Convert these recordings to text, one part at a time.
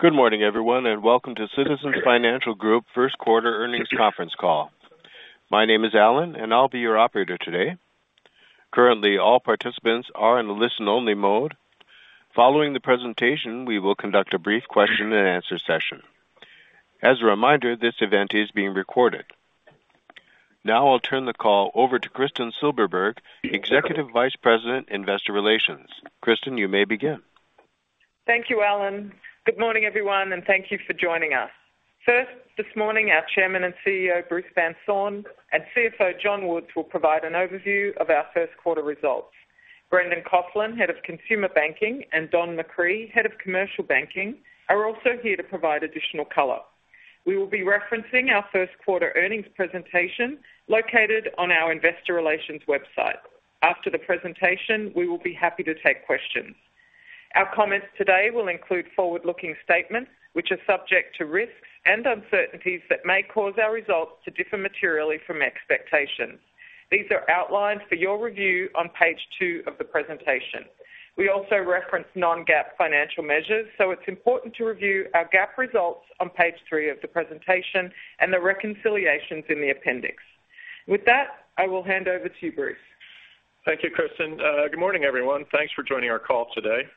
Good morning, everyone, and welcome to Citizens Financial Group First Quarter Earnings Conference Call. My name is Alan, and I'll be your operator today. Currently, all participants are in a listen-only mode. Following the presentation, we will conduct a brief question-and-answer session. As a reminder, this event is being recorded. Now I'll turn the call over to Kristin Silberberg, Executive Vice President, Investor Relations. Kristin, you may begin. Thank you, Alan. Good morning, everyone, and thank you for joining us. First, this morning, our Chairman and CEO, Bruce Van Saun, and CFO, John Woods, will provide an overview of our first quarter results. Brendan Coughlin, Head of Consumer Banking, and Don McCree, Head of Commercial Banking, are also here to provide additional color. We will be referencing our first quarter earnings presentation located on our Investor Relations website. After the presentation, we will be happy to take questions. Our comments today will include forward-looking statements which are subject to risks and uncertainties that may cause our results to differ materially from expectations. These are outlined for your review on page two of the presentation. We also reference non-GAAP financial measures, so it's important to review our GAAP results on page three of the presentation and the reconciliations in the appendix. With that, I will hand over to you, Bruce. Thank you, Kristin. Good morning, everyone. Thanks for joining our call today.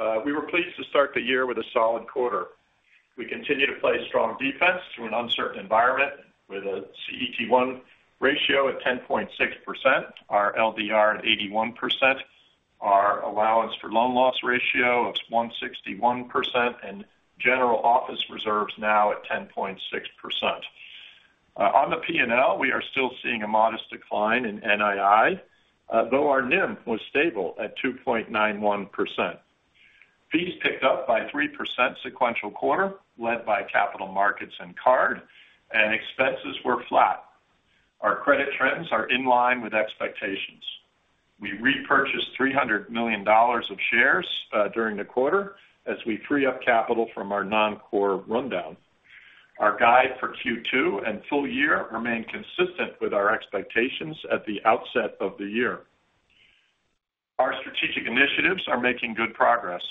We're pleased to start the year with a solid quarter. We continue to play strong defense through an uncertain environment with a CET1 ratio at 10.6%, our LDR at 81%, our allowance for loan loss ratio of 161%, and general office reserves now at 10.6%. On the P&L, we are still seeing a modest decline in NII, though our NIM was stable at 2.91%. Fees picked up by 3% sequential quarter, led by capital markets and card, and expenses were flat. Our credit trends are in line with expectations. We repurchased $300 million of shares during the quarter as we free up capital from our non-core rundown. Our guide for Q2 and full year remained consistent with our expectations at the outset of the year. Our strategic initiatives are making good progress.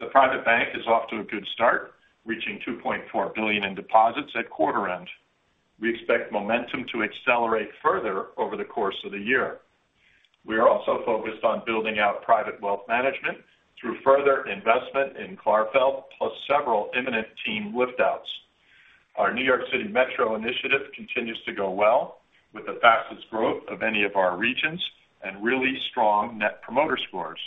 The private bank is off to a good start, reaching $2.4 billion in deposits at quarter-end. We expect momentum to accelerate further over the course of the year. We are also focused on building out private wealth management through further investment in Clarfeld plus several imminent team liftouts. Our New York Metro initiative continues to go well with the fastest growth of any of our regions and really strong Net Promoter Scores.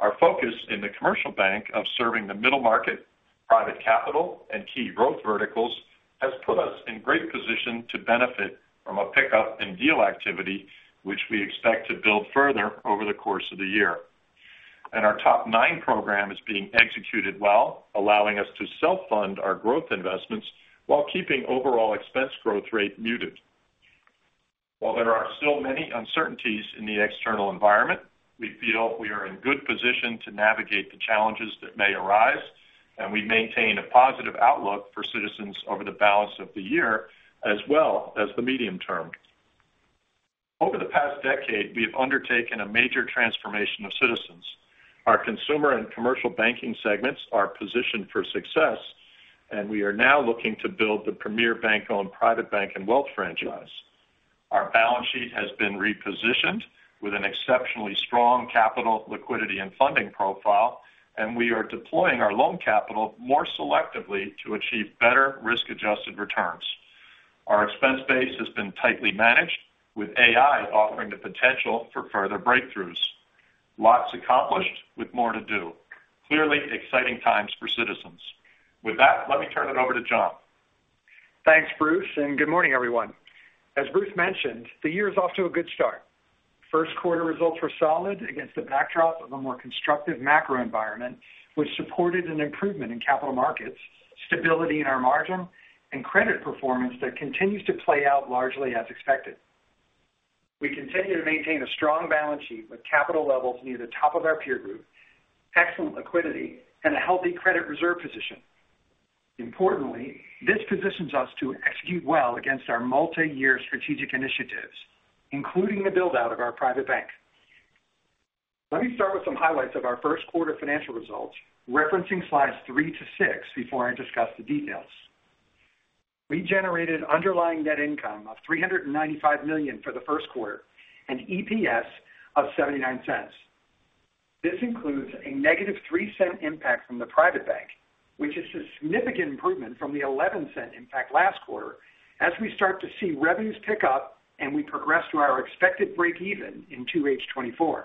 Our focus in the commercial bank of serving the middle market, private capital, and key growth verticals has put us in great position to benefit from a pickup in deal activity, which we expect to build further over the course of the year. Our TOP 9 program is being executed well, allowing us to self-fund our growth investments while keeping overall expense growth rate muted. While there are still many uncertainties in the external environment, we feel we are in good position to navigate the challenges that may arise, and we maintain a positive outlook for Citizens over the balance of the year as well as the medium term. Over the past decade, we have undertaken a major transformation of Citizens. Our consumer and commercial banking segments are positioned for success, and we are now looking to build the premier bank-owned private bank and wealth franchise. Our balance sheet has been repositioned with an exceptionally strong capital, liquidity, and funding profile, and we are deploying our loan capital more selectively to achieve better risk-adjusted returns. Our expense base has been tightly managed, with AI offering the potential for further breakthroughs. Lots accomplished with more to do. Clearly, exciting times for Citizens. With that, let me turn it over to John. Thanks, Bruce, and good morning, everyone. As Bruce mentioned, the year is off to a good start. First quarter results were solid against a backdrop of a more constructive macro environment, which supported an improvement in capital markets, stability in our margin, and credit performance that continues to play out largely as expected. We continue to maintain a strong balance sheet with capital levels near the top of our peer group, excellent liquidity, and a healthy credit reserve position. Importantly, this positions us to execute well against our multi-year strategic initiatives, including the buildout of our private bank. Let me start with some highlights of our first quarter financial results, referencing slides 3 to 6 before I discuss the details. We generated underlying net income of $395 million for the first quarter and EPS of $0.79. This includes a -$0.03 impact from the private bank, which is a significant improvement from the $0.11 impact last quarter as we start to see revenues pick up and we progress to our expected break-even in 2H24.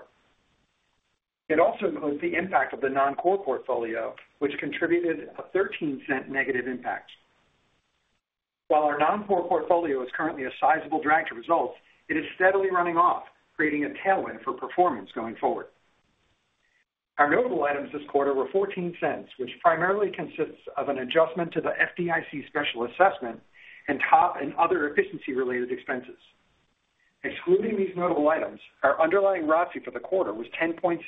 It also includes the impact of the non-core portfolio, which contributed a -$0.13 impact. While our non-core portfolio is currently a sizable drag to results, it is steadily running off, creating a tailwind for performance going forward. Our notable items this quarter were $0.14, which primarily consists of an adjustment to the FDIC special assessment and TOP and other efficiency-related expenses. Excluding these notable items, our underlying ROTCE for the quarter was 10.6%.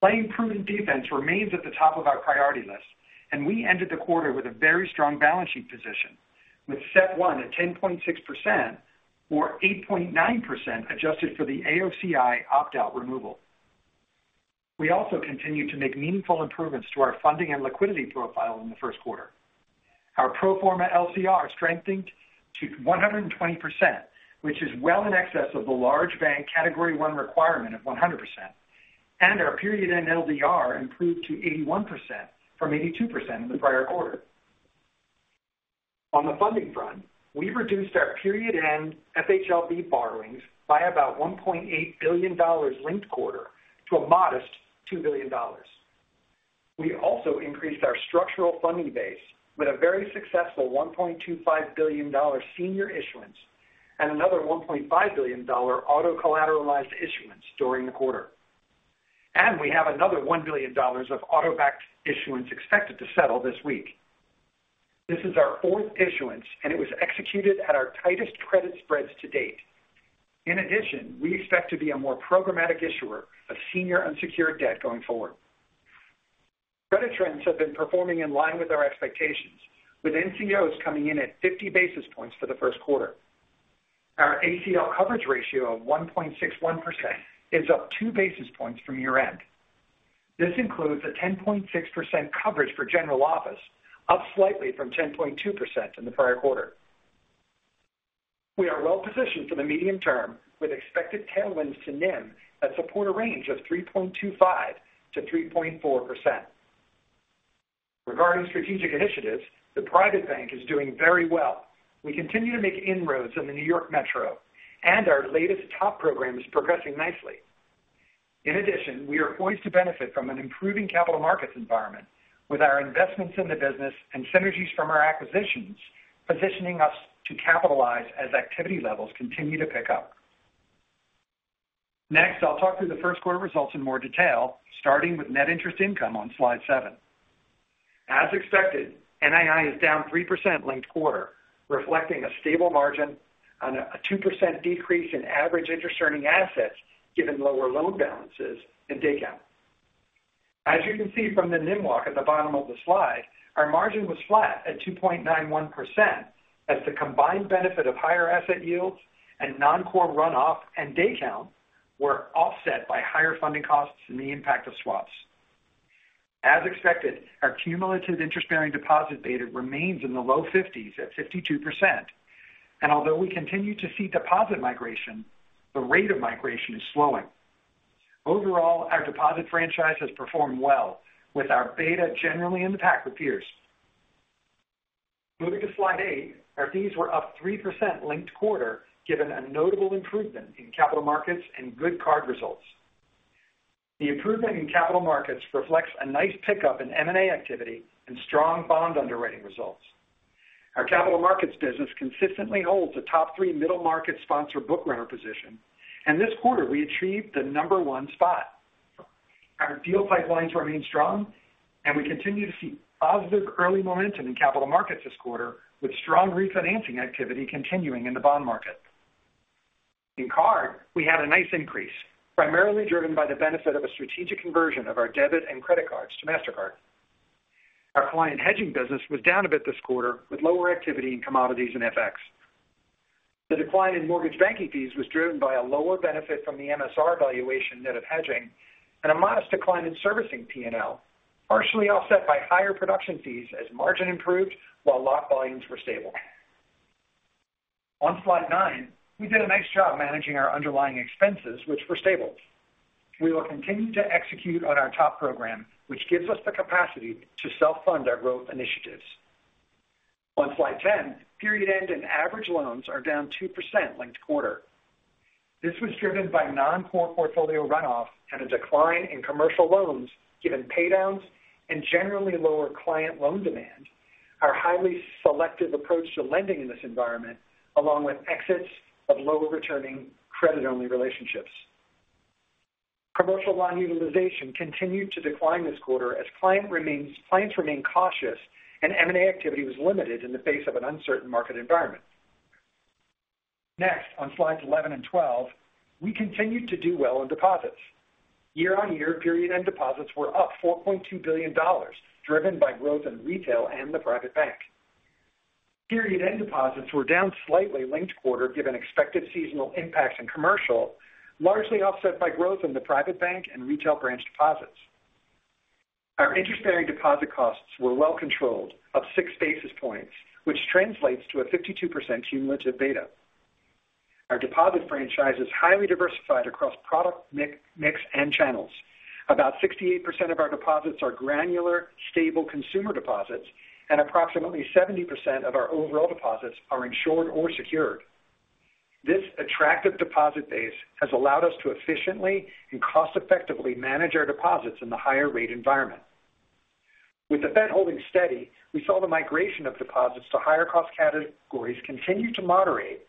Playing prudent defense remains at the top of our priority list, and we ended the quarter with a very strong balance sheet position with CET1 at 10.6% or 8.9% adjusted for the AOCI opt-out removal. We also continue to make meaningful improvements to our funding and liquidity profile in the first quarter. Our pro forma LCR strengthened to 120%, which is well in excess of the large bank Category I requirement of 100%, and our period-end LDR improved to 81% from 82% in the prior quarter. On the funding front, we reduced our period-end FHLB borrowings by about $1.8 billion linked quarter to a modest $2 billion. We also increased our structural funding base with a very successful $1.25 billion senior issuance and another $1.5 billion auto-collateralized issuance during the quarter. And we have another $1 billion of auto-backed issuance expected to settle this week. This is our fourth issuance, and it was executed at our tightest credit spreads to date. In addition, we expect to be a more programmatic issuer of senior unsecured debt going forward. Credit trends have been performing in line with our expectations, with NCOs coming in at 50 basis points for the first quarter. Our ACL coverage ratio of 1.61% is up two basis points from year-end. This includes a 10.6% coverage for General Office, up slightly from 10.2% in the prior quarter. We are well positioned for the medium term with expected tailwinds to NIM that support a range of 3.25%-3.4%. Regarding strategic initiatives, the private bank is doing very well. We continue to make inroads in the New York Metro, and our latest TOP program is progressing nicely. In addition, we are poised to benefit from an improving capital markets environment with our investments in the business and synergies from our acquisitions positioning us to capitalize as activity levels continue to pick up. Next, I'll talk through the first quarter results in more detail, starting with net interest income on slide seven. As expected, NII is down 3% linked quarter, reflecting a stable margin and a 2% decrease in average interest-earning assets given lower loan balances and daycount. As you can see from the NIM walk at the bottom of the slide, our margin was flat at 2.91% as the combined benefit of higher asset yields and non-core runoff and daycount were offset by higher funding costs and the impact of swaps. As expected, our cumulative interest-bearing deposit beta remains in the low 50s at 52%. And although we continue to see deposit migration, the rate of migration is slowing. Overall, our deposit franchise has performed well with our beta generally in the pack with peers. Moving to slide eight, our fees were up 3% linked quarter given a notable improvement in capital markets and good card results. The improvement in capital markets reflects a nice pickup in M&A activity and strong bond underwriting results. Our capital markets business consistently holds a top three middle market sponsor bookrunner position, and this quarter we achieved the number one spot. Our deal pipelines remain strong, and we continue to see positive early momentum in capital markets this quarter with strong refinancing activity continuing in the bond market. In card, we had a nice increase, primarily driven by the benefit of a strategic conversion of our debit and credit cards to Mastercard. Our client hedging business was down a bit this quarter with lower activity in commodities and FX. The decline in mortgage banking fees was driven by a lower benefit from the MSR valuation net of hedging and a modest decline in servicing P&L, partially offset by higher production fees as margin improved while lock volumes were stable. On slide 9, we did a nice job managing our underlying expenses, which were stable. We will continue to execute on our TOP program, which gives us the capacity to self-fund our growth initiatives. On slide 10, period-end and average loans are down 2% linked quarter. This was driven by non-core portfolio runoff and a decline in commercial loans given paydowns and generally lower client loan demand, our highly selective approach to lending in this environment, along with exits of lower-returning credit-only relationships. Commercial loan utilization continued to decline this quarter as clients remained cautious and M&A activity was limited in the face of an uncertain market environment. Next, on slides 11 and 12, we continued to do well in deposits. Year-on-year, period-end deposits were up $4.2 billion, driven by growth in retail and the private bank. Period-end deposits were down slightly linked quarter given expected seasonal impacts in commercial, largely offset by growth in the private bank and retail branch deposits. Our interest-bearing deposit costs were well controlled, up six basis points, which translates to a 52% cumulative beta. Our deposit franchise is highly diversified across product mix and channels. About 68% of our deposits are granular, stable consumer deposits, and approximately 70% of our overall deposits are insured or secured. This attractive deposit base has allowed us to efficiently and cost-effectively manage our deposits in the higher-rate environment. With the Fed holding steady, we saw the migration of deposits to higher-cost categories continue to moderate.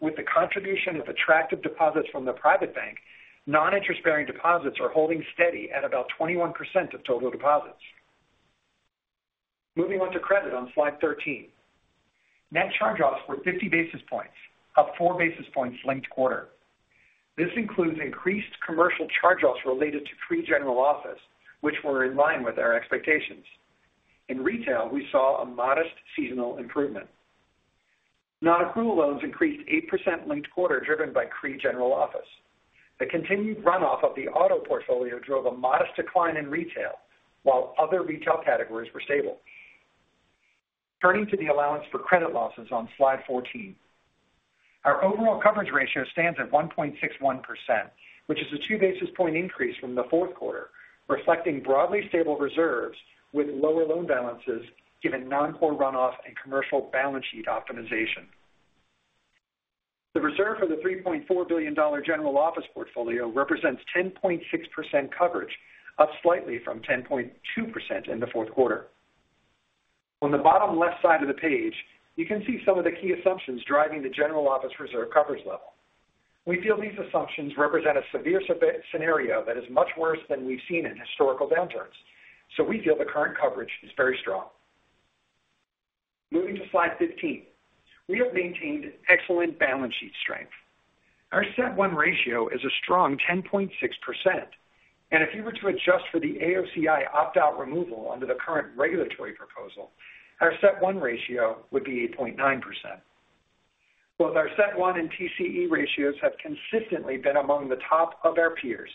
With the contribution of attractive deposits from the private bank, non-interest-bearing deposits are holding steady at about 21% of total deposits. Moving on to credit on slide 13. Net charge-offs were 50 basis points, up four basis points linked quarter. This includes increased commercial charge-offs related to CRE general office, which were in line with our expectations. In retail, we saw a modest seasonal improvement. Non-accrual loans increased 8% linked quarter driven by CRE general office. The continued runoff of the auto portfolio drove a modest decline in retail while other retail categories were stable. Turning to the allowance for credit losses on slide 14. Our overall coverage ratio stands at 1.61%, which is a two-basis-point increase from the fourth quarter, reflecting broadly stable reserves with lower loan balances given non-core runoff and commercial balance sheet optimization. The reserve for the $3.4 billion general office portfolio represents 10.6% coverage, up slightly from 10.2% in the fourth quarter. On the bottom left side of the page, you can see some of the key assumptions driving the general office reserve coverage level. We feel these assumptions represent a severe scenario that is much worse than we've seen in historical downturns, so we feel the current coverage is very strong. Moving to slide 15. We have maintained excellent balance sheet strength. Our CET1 ratio is a strong 10.6%. And if you were to adjust for the AOCI opt-out removal under the current regulatory proposal, our CET1 ratio would be 8.9%. Both our CET1 and TCE ratios have consistently been among the top of our peers.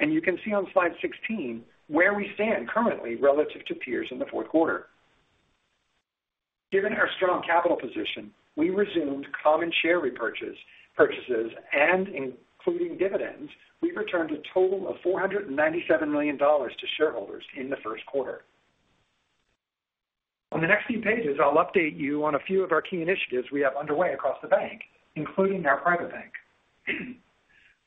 And you can see on slide 16 where we stand currently relative to peers in the fourth quarter. Given our strong capital position, we resumed common share repurchases and, including dividends, we returned a total of $497 million to shareholders in the first quarter. On the next few pages, I'll update you on a few of our key initiatives we have underway across the bank, including our private bank.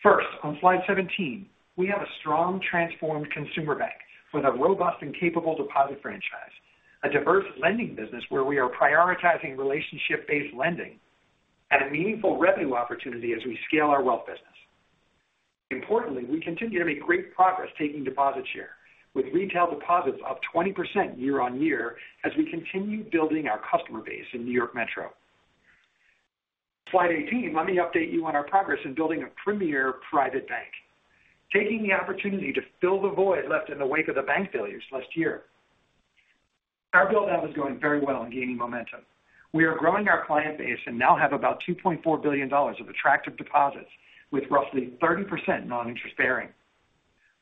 First, on Slide 17, we have a strong transformed consumer bank with a robust and capable deposit franchise, a diverse lending business where we are prioritizing relationship-based lending, and a meaningful revenue opportunity as we scale our wealth business. Importantly, we continue to make great progress taking deposit share with retail deposits up 20% year-on-year as we continue building our customer base in New York Metro. Slide 18, let me update you on our progress in building a premier private bank, taking the opportunity to fill the void left in the wake of the bank failures last year. Our buildout was going very well and gaining momentum. We are growing our client base and now have about $2.4 billion of attractive deposits with roughly 30% non-interest bearing.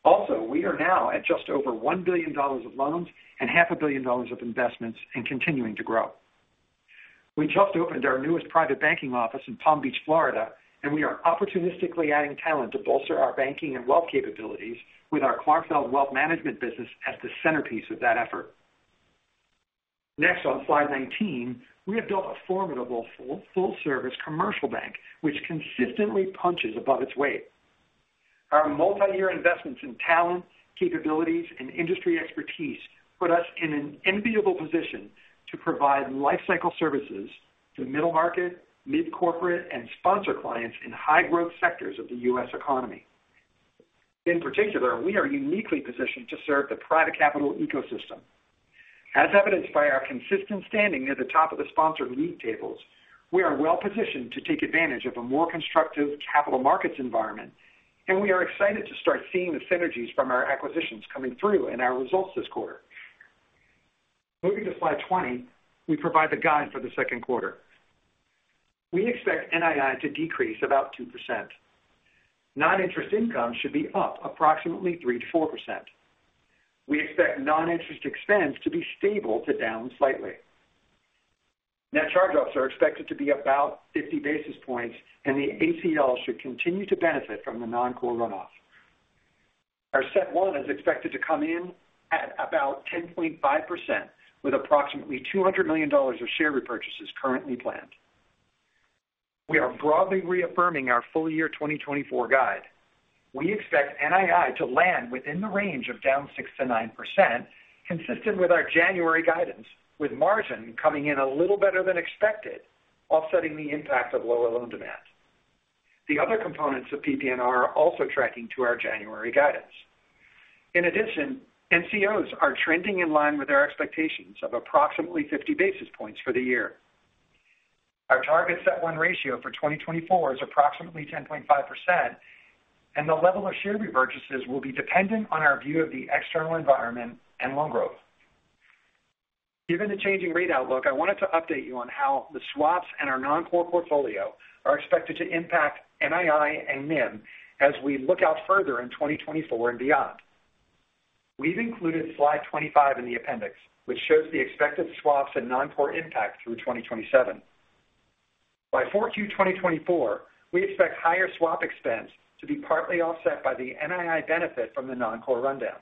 Also, we are now at just over $1 billion of loans and $500 million of investments and continuing to grow. We just opened our newest private banking office in Palm Beach, Florida, and we are opportunistically adding talent to bolster our banking and wealth capabilities with our Clarfeld wealth management business as the centerpiece of that effort. Next, on slide 19, we have built a formidable full-service commercial bank, which consistently punches above its weight. Our multi-year investments in talent, capabilities, and industry expertise put us in an enviable position to provide lifecycle services to middle market, mid-corporate, and sponsor clients in high-growth sectors of the US economy. In particular, we are uniquely positioned to serve the private capital ecosystem. As evidenced by our consistent standing near the top of the sponsor league tables, we are well positioned to take advantage of a more constructive capital markets environment, and we are excited to start seeing the synergies from our acquisitions coming through in our results this quarter. Moving to slide 20, we provide the guide for the second quarter. We expect NII to decrease about 2%. Non-interest income should be up approximately 3%-4%. We expect non-interest expense to be stable to down slightly. Net charge-offs are expected to be about 50 basis points, and the ACL should continue to benefit from the non-core runoff. Our CET1 is expected to come in at about 10.5% with approximately $200 million of share repurchases currently planned. We are broadly reaffirming our full-year 2024 guide. We expect NII to land within the range of down 6%-9%, consistent with our January guidance, with margin coming in a little better than expected, offsetting the impact of lower loan demand. The other components of PP&R are also tracking to our January guidance. In addition, NCOs are trending in line with our expectations of approximately 50 basis points for the year. Our target CET1 ratio for 2024 is approximately 10.5%, and the level of share repurchases will be dependent on our view of the external environment and loan growth. Given the changing rate outlook, I wanted to update you on how the swaps and our non-core portfolio are expected to impact NII and NIM as we look out further in 2024 and beyond. We've included slide 25 in the appendix, which shows the expected swaps and non-core impact through 2027. By 4Q 2024, we expect higher swap expense to be partly offset by the NII benefit from the non-core rundown.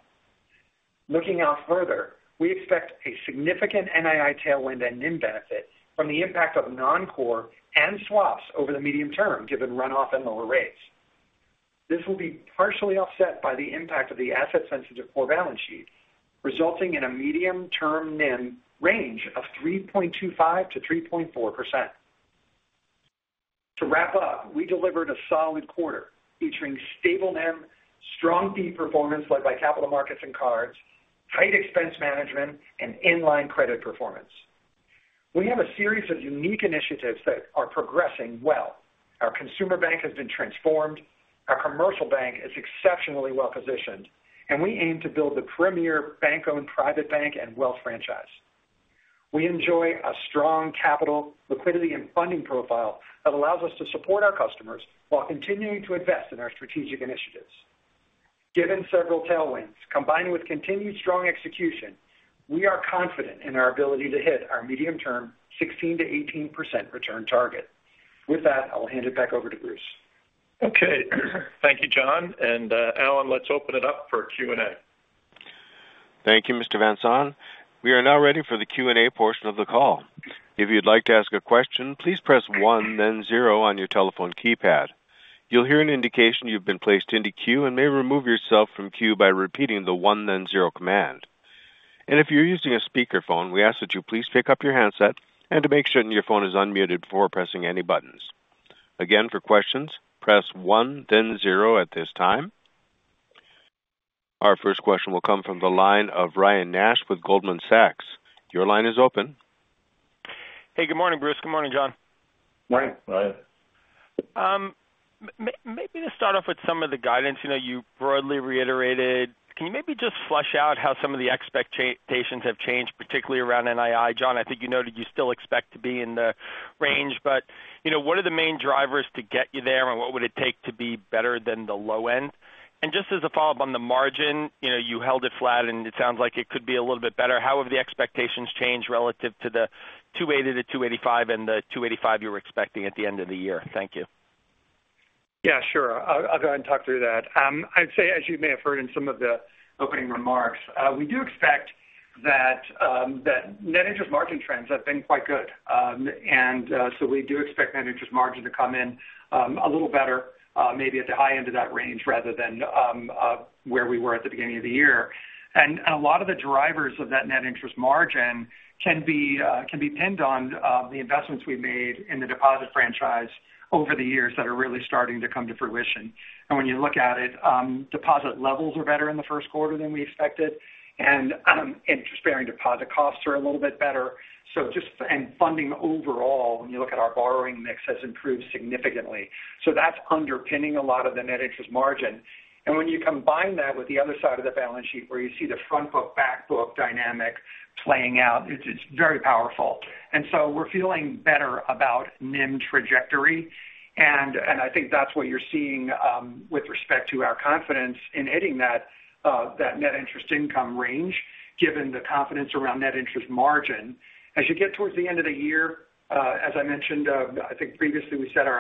Looking out further, we expect a significant NII tailwind and NIM benefit from the impact of non-core and swaps over the medium term given runoff and lower rates. This will be partially offset by the impact of the asset-sensitive core balance sheet, resulting in a medium-term NIM range of 3.25%-3.4%. To wrap up, we delivered a solid quarter featuring stable NIM, strong fee performance led by capital markets and cards, tight expense management, and inline credit performance. We have a series of unique initiatives that are progressing well. Our consumer bank has been transformed. Our commercial bank is exceptionally well positioned, and we aim to build the premier bank-owned private bank and wealth franchise. We enjoy a strong capital, liquidity, and funding profile that allows us to support our customers while continuing to invest in our strategic initiatives. Given several tailwinds combined with continued strong execution, we are confident in our ability to hit our medium-term 16%-18% return target. With that, I'll hand it back over to Bruce. Okay. Thank you, John. And Alan, let's open it up for Q&A. Thank you, Mr. Van Saun. We are now ready for the Q&A portion of the call. If you'd like to ask a question, please press one, then zero on your telephone keypad. You'll hear an indication you've been placed into queue and may remove yourself from queue by repeating the one, then zero command. And if you're using a speakerphone, we ask that you please pick up your handset and to make sure your phone is unmuted before pressing any buttons. Again, for questions, press one, then zero at this time. Our first question will come from the line of Ryan Nash with Goldman Sachs. Your line is open. Hey, good morning, Bruce. Good morning, John. Morning, Ryan. Maybe to start off with some of the guidance you broadly reiterated, can you maybe just flesh out how some of the expectations have changed, particularly around NII? John, I think you noted you still expect to be in the range, but what are the main drivers to get you there, and what would it take to be better than the low end? And just as a follow-up on the margin, you held it flat, and it sounds like it could be a little bit better. How have the expectations changed relative to the 280-285 and the 285 you were expecting at the end of the year? Thank you. Yeah, sure. I'll go ahead and talk through that. I'd say, as you may have heard in some of the opening remarks, we do expect that net interest margin trends have been quite good. And so we do expect net interest margin to come in a little better, maybe at the high end of that range rather than where we were at the beginning of the year. And a lot of the drivers of that net interest margin can be pinned on the investments we've made in the deposit franchise over the years that are really starting to come to fruition. And when you look at it, deposit levels are better in the first quarter than we expected, and interest-bearing deposit costs are a little bit better. And funding overall, when you look at our borrowing mix, has improved significantly. So that's underpinning a lot of the net interest margin. And when you combine that with the other side of the balance sheet where you see the front-book, back-book dynamic playing out, it's very powerful. And so we're feeling better about NIM trajectory. And I think that's what you're seeing with respect to our confidence in hitting that net interest income range given the confidence around net interest margin. As you get towards the end of the year, as I mentioned, I think previously we set our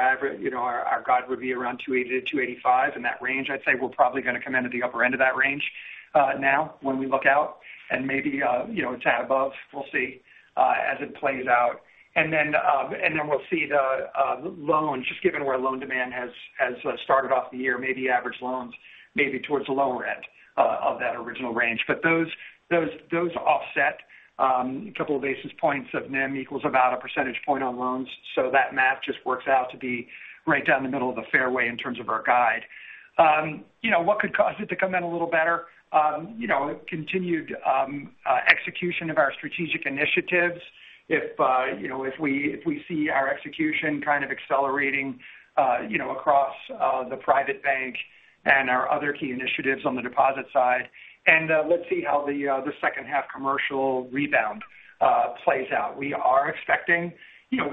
guide would be around $280 million-$285 million and that range. I'd say we're probably going to come into the upper end of that range now when we look out. And maybe it's at above. We'll see as it plays out. And then we'll see the loans, just given where loan demand has started off the year, maybe average loans, maybe towards the lower end of that original range. But those offset a couple of basis points of NIM equals about a percentage point on loans. So that math just works out to be right down the middle of the fairway in terms of our guide. What could cause it to come in a little better? Continued execution of our strategic initiatives if we see our execution kind of accelerating across the private bank and our other key initiatives on the deposit side. And let's see how the second-half commercial rebound plays out. We are expecting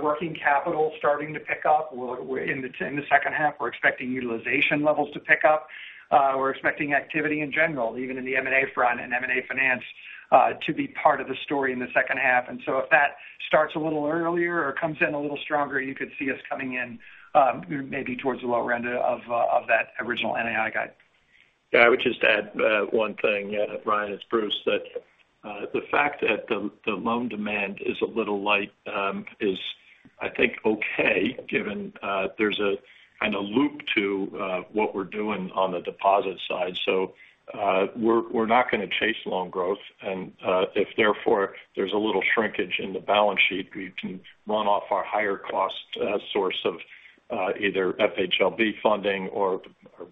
working capital starting to pick up in the second half. We're expecting utilization levels to pick up. We're expecting activity in general, even in the M&A front and M&A finance, to be part of the story in the second half. And so if that starts a little earlier or comes in a little stronger, you could see us coming in maybe towards the lower end of that original NII guide. Yeah, I would just add one thing, Ryan. It's Bruce. That the fact that the loan demand is a little light is, I think, okay given there's a kind of loop to what we're doing on the deposit side. So we're not going to chase loan growth. And if, therefore, there's a little shrinkage in the balance sheet, we can run off our higher-cost source of either FHLB funding or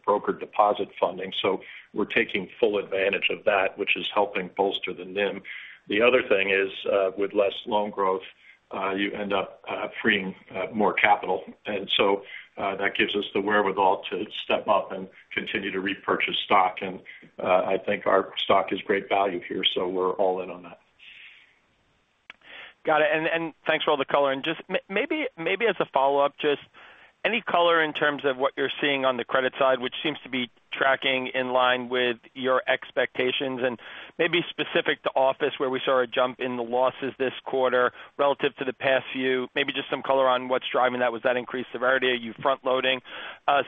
brokered deposit funding. So we're taking full advantage of that, which is helping bolster the NIM. The other thing is, with less loan growth, you end up freeing more capital. And so that gives us the wherewithal to step up and continue to repurchase stock. And I think our stock is great value here, so we're all in on that. Got it. And thanks for all the color. And maybe as a follow-up, just any color in terms of what you're seeing on the credit side, which seems to be tracking in line with your expectations and maybe specific to office where we saw a jump in the losses this quarter relative to the past few? Maybe just some color on what's driving that. Was that increased severity? Are you front-loading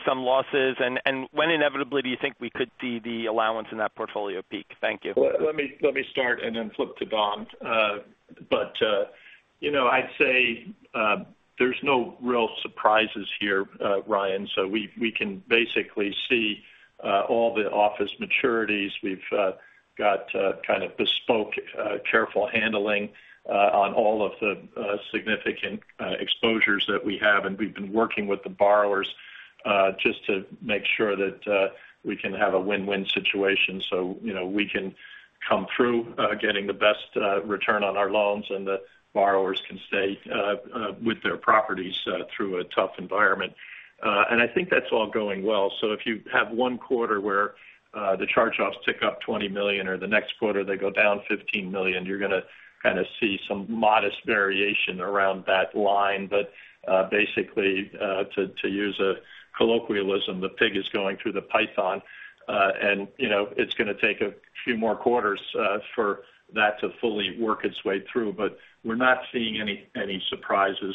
some losses? And when inevitably do you think we could see the allowance in that portfolio peak? Thank you. Let me start and then flip to Don. But I'd say there's no real surprises here, Ryan. So we can basically see all the office maturities. We've got kind of bespoke careful handling on all of the significant exposures that we have. We've been working with the borrowers just to make sure that we can have a win-win situation so we can come through getting the best return on our loans and the borrowers can stay with their properties through a tough environment. I think that's all going well. If you have one quarter where the charge-offs tick up $20 million or the next quarter they go down $15 million, you're going to kind of see some modest variation around that line. Basically, to use a colloquialism, the pig is going through the python. It's going to take a few more quarters for that to fully work its way through. We're not seeing any surprises,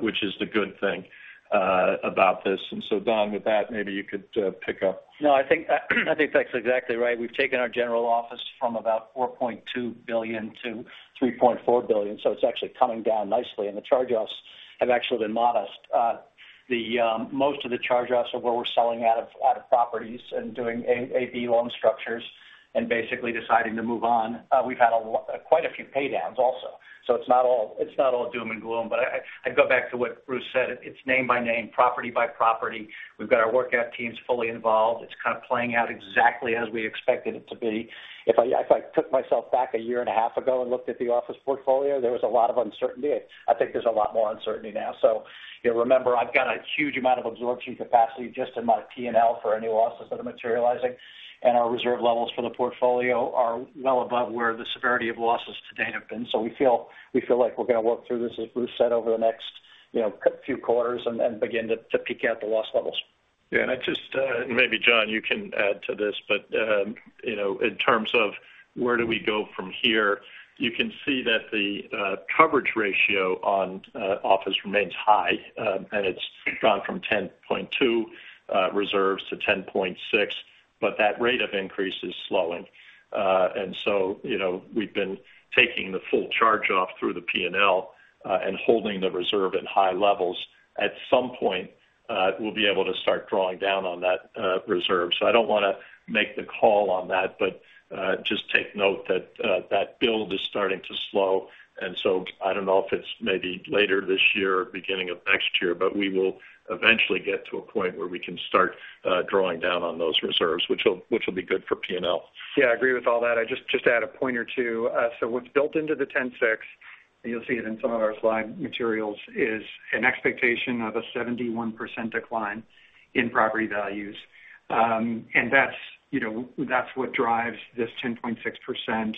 which is the good thing about this. So, Don, with that, maybe you could pick up. No, I think that's exactly right. We've taken our general office from about $4.2 billion to $3.4 billion. So it's actually coming down nicely. And the charge-offs have actually been modest. Most of the charge-offs are where we're selling out of properties and doing A/B loan structures and basically deciding to move on. We've had quite a few paydowns also. So it's not all doom and gloom. But I'd go back to what Bruce said. It's name by name, property by property. We've got our workout teams fully involved. It's kind of playing out exactly as we expected it to be. If I took myself back a year and a half ago and looked at the office portfolio, there was a lot of uncertainty. I think there's a lot more uncertainty now. So remember, I've got a huge amount of absorption capacity just in my P&L for any losses that are materializing. Our reserve levels for the portfolio are well above where the severity of losses to date have been. So we feel like we're going to work through this, as Bruce said, over the next few quarters and begin to peek out the loss levels. Yeah. And maybe, John, you can add to this. But in terms of where do we go from here, you can see that the coverage ratio on office remains high. And it's gone from 10.2 reserves to 10.6. But that rate of increase is slowing. And so we've been taking the full charge-off through the P&L and holding the reserve at high levels. At some point, we'll be able to start drawing down on that reserve. So I don't want to make the call on that, but just take note that that build is starting to slow. And so I don't know if it's maybe later this year or beginning of next year, but we will eventually get to a point where we can start drawing down on those reserves, which will be good for P&L. Yeah, I agree with all that. I'd just add a point or two. So what's built into the 10.6, and you'll see it in some of our slide materials, is an expectation of a 71% decline in property values. And that's what drives this 10.6%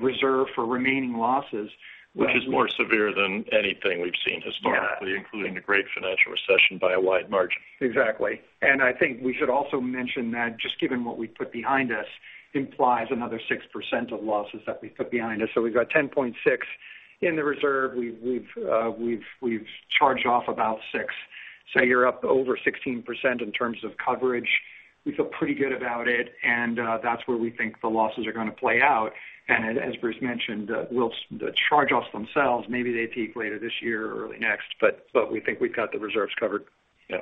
reserve for remaining losses— Which is more severe than anything we've seen historically, including the great financial recession by a wide margin. Exactly. And I think we should also mention that just given what we've put behind us implies another 6% of losses that we've put behind us. So we've got 10.6% in the reserve. We've charged off about 6%. So you're up over 16% in terms of coverage. We feel pretty good about it. And that's where we think the losses are going to play out. And as Bruce mentioned, the charge-offs themselves, maybe they peak later this year or early next, but we think we've got the reserves covered. Yeah.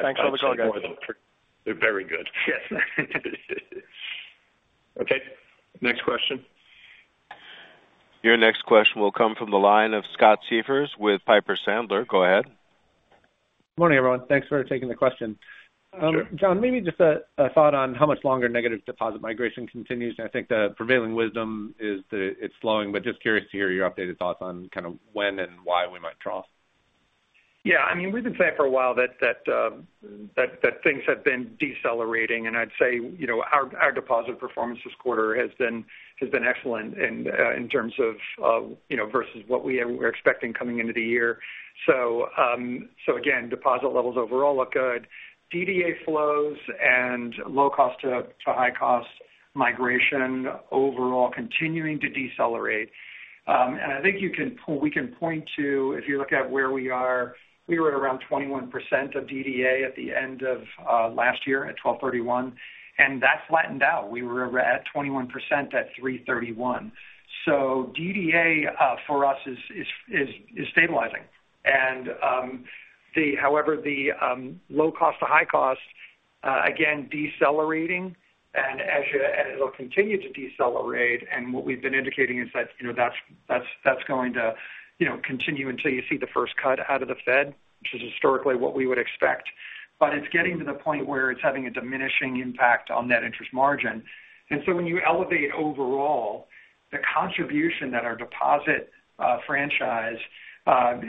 Thanks for all the call, guys. They're very good. Yes. Okay. Next question. Your next question will come from the line of Scott Siefers with Piper Sandler. Go ahead. Good morning, everyone. Thanks for taking the question. John, maybe just a thought on how much longer negative deposit migration continues. I think the prevailing wisdom is that it's slowing. But just curious to hear your updated thoughts on kind of when and why we might drop. Yeah. I mean, we've been saying for a while that things have been decelerating. I'd say our deposit performance this quarter has been excellent versus what we were expecting coming into the year. Again, deposit levels overall look good. DDA flows and low-cost to high-cost migration overall continuing to decelerate. I think we can point to if you look at where we are, we were at around 21% of DDA at the end of last year at 12/31. That flattened out. We were at 21% at 3/31. DDA for us is stabilizing. However, the low-cost to high-cost, again, decelerating. It'll continue to decelerate. What we've been indicating is that that's going to continue until you see the first cut out of the Fed, which is historically what we would expect. But it's getting to the point where it's having a diminishing impact on net interest margin. And so when you elevate overall, the contribution that our deposit franchise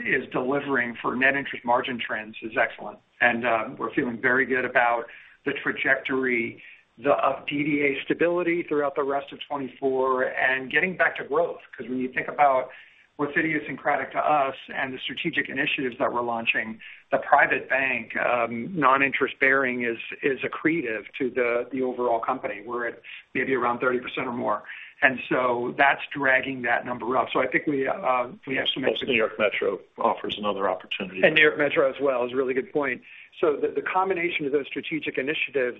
is delivering for net interest margin trends is excellent. And we're feeling very good about the trajectory of DDA stability throughout the rest of 2024 and getting back to growth. Because when you think about what's idiosyncratic to us and the strategic initiatives that we're launching, the private bank, non-interest bearing, is accretive to the overall company. We're at maybe around 30% or more. And so that's dragging that number up. So I think we have some— New York Metro offers another opportunity. And New York Metro as well is a really good point. So the combination of those strategic initiatives,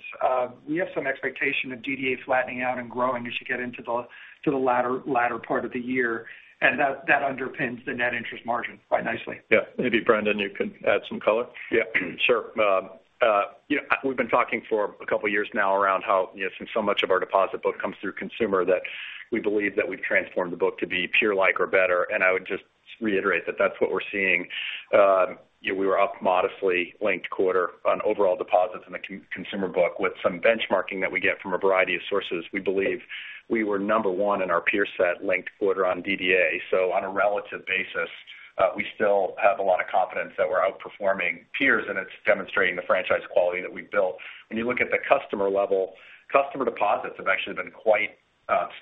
we have some expectation of DDA flattening out and growing as you get into the latter part of the year. And that underpins the net interest margin quite nicely. Yeah. Maybe, Brendan, you could add some color? Yeah, sure. We've been talking for a couple of years now around how since so much of our deposit book comes through consumer, that we believe that we've transformed the book to be peer-like or better. And I would just reiterate that that's what we're seeing. We were up modestly linked quarter on overall deposits in the consumer book with some benchmarking that we get from a variety of sources. We believe we were number 1 in our peer set linked quarter on DDA. So on a relative basis, we still have a lot of confidence that we're outperforming peers. And it's demonstrating the franchise quality that we've built. When you look at the customer level, customer deposits have actually been quite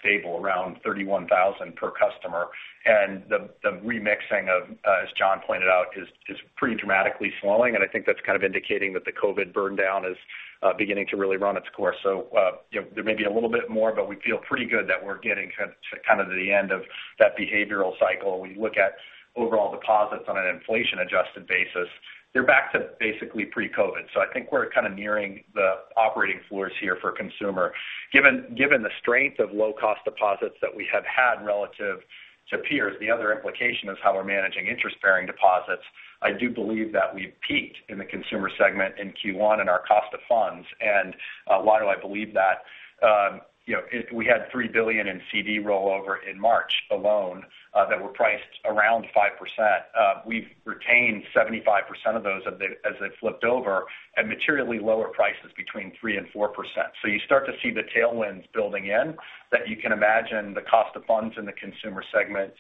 stable, around 31,000 per customer. And the remixing of, as John pointed out, is pretty dramatically slowing. I think that's kind of indicating that the COVID burndown is beginning to really run its course. So there may be a little bit more, but we feel pretty good that we're getting kind of to the end of that behavioral cycle. When you look at overall deposits on an inflation-adjusted basis, they're back to basically pre-COVID. So I think we're kind of nearing the operating floors here for consumer. Given the strength of low-cost deposits that we have had relative to peers, the other implication is how we're managing interest-bearing deposits. I do believe that we've peaked in the consumer segment in Q1 in our cost of funds. And why do I believe that? We had $3 billion in CD rollover in March alone that were priced around 5%. We've retained 75% of those as they've flipped over at materially lower prices between 3%-4%. So you start to see the tailwinds building in that you can imagine the cost of funds in the consumer segment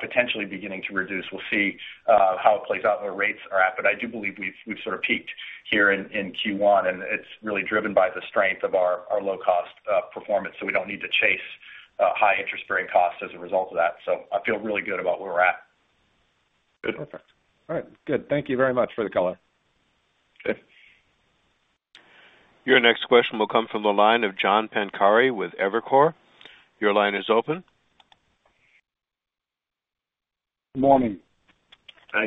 potentially beginning to reduce. We'll see how it plays out, where rates are at. But I do believe we've sort of peaked here in Q1. And it's really driven by the strength of our low-cost performance. So we don't need to chase high-interest-bearing costs as a result of that. So I feel really good about where we're at. Good. Perfect. All right. Good. Thank you very much for the color. Okay. Your next question will come from the line of John Pancari with Evercore. Your line is open. Good morning. Hi.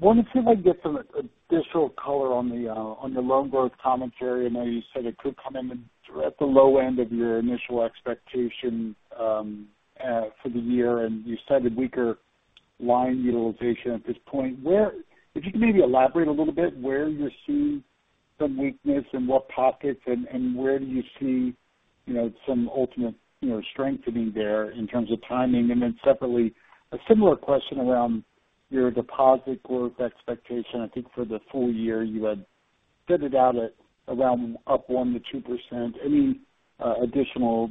Want to see if I can get some additional color on your loan growth commentary. I know you said it could come in at the low end of your initial expectation for the year. You said a weaker line utilization at this point. If you can maybe elaborate a little bit where you're seeing some weakness and what pockets, and where do you see some ultimate strengthening there in terms of timing? Then separately, a similar question around your deposit growth expectation. I think for the full year, you had guided out at around up 1%-2%. Any additional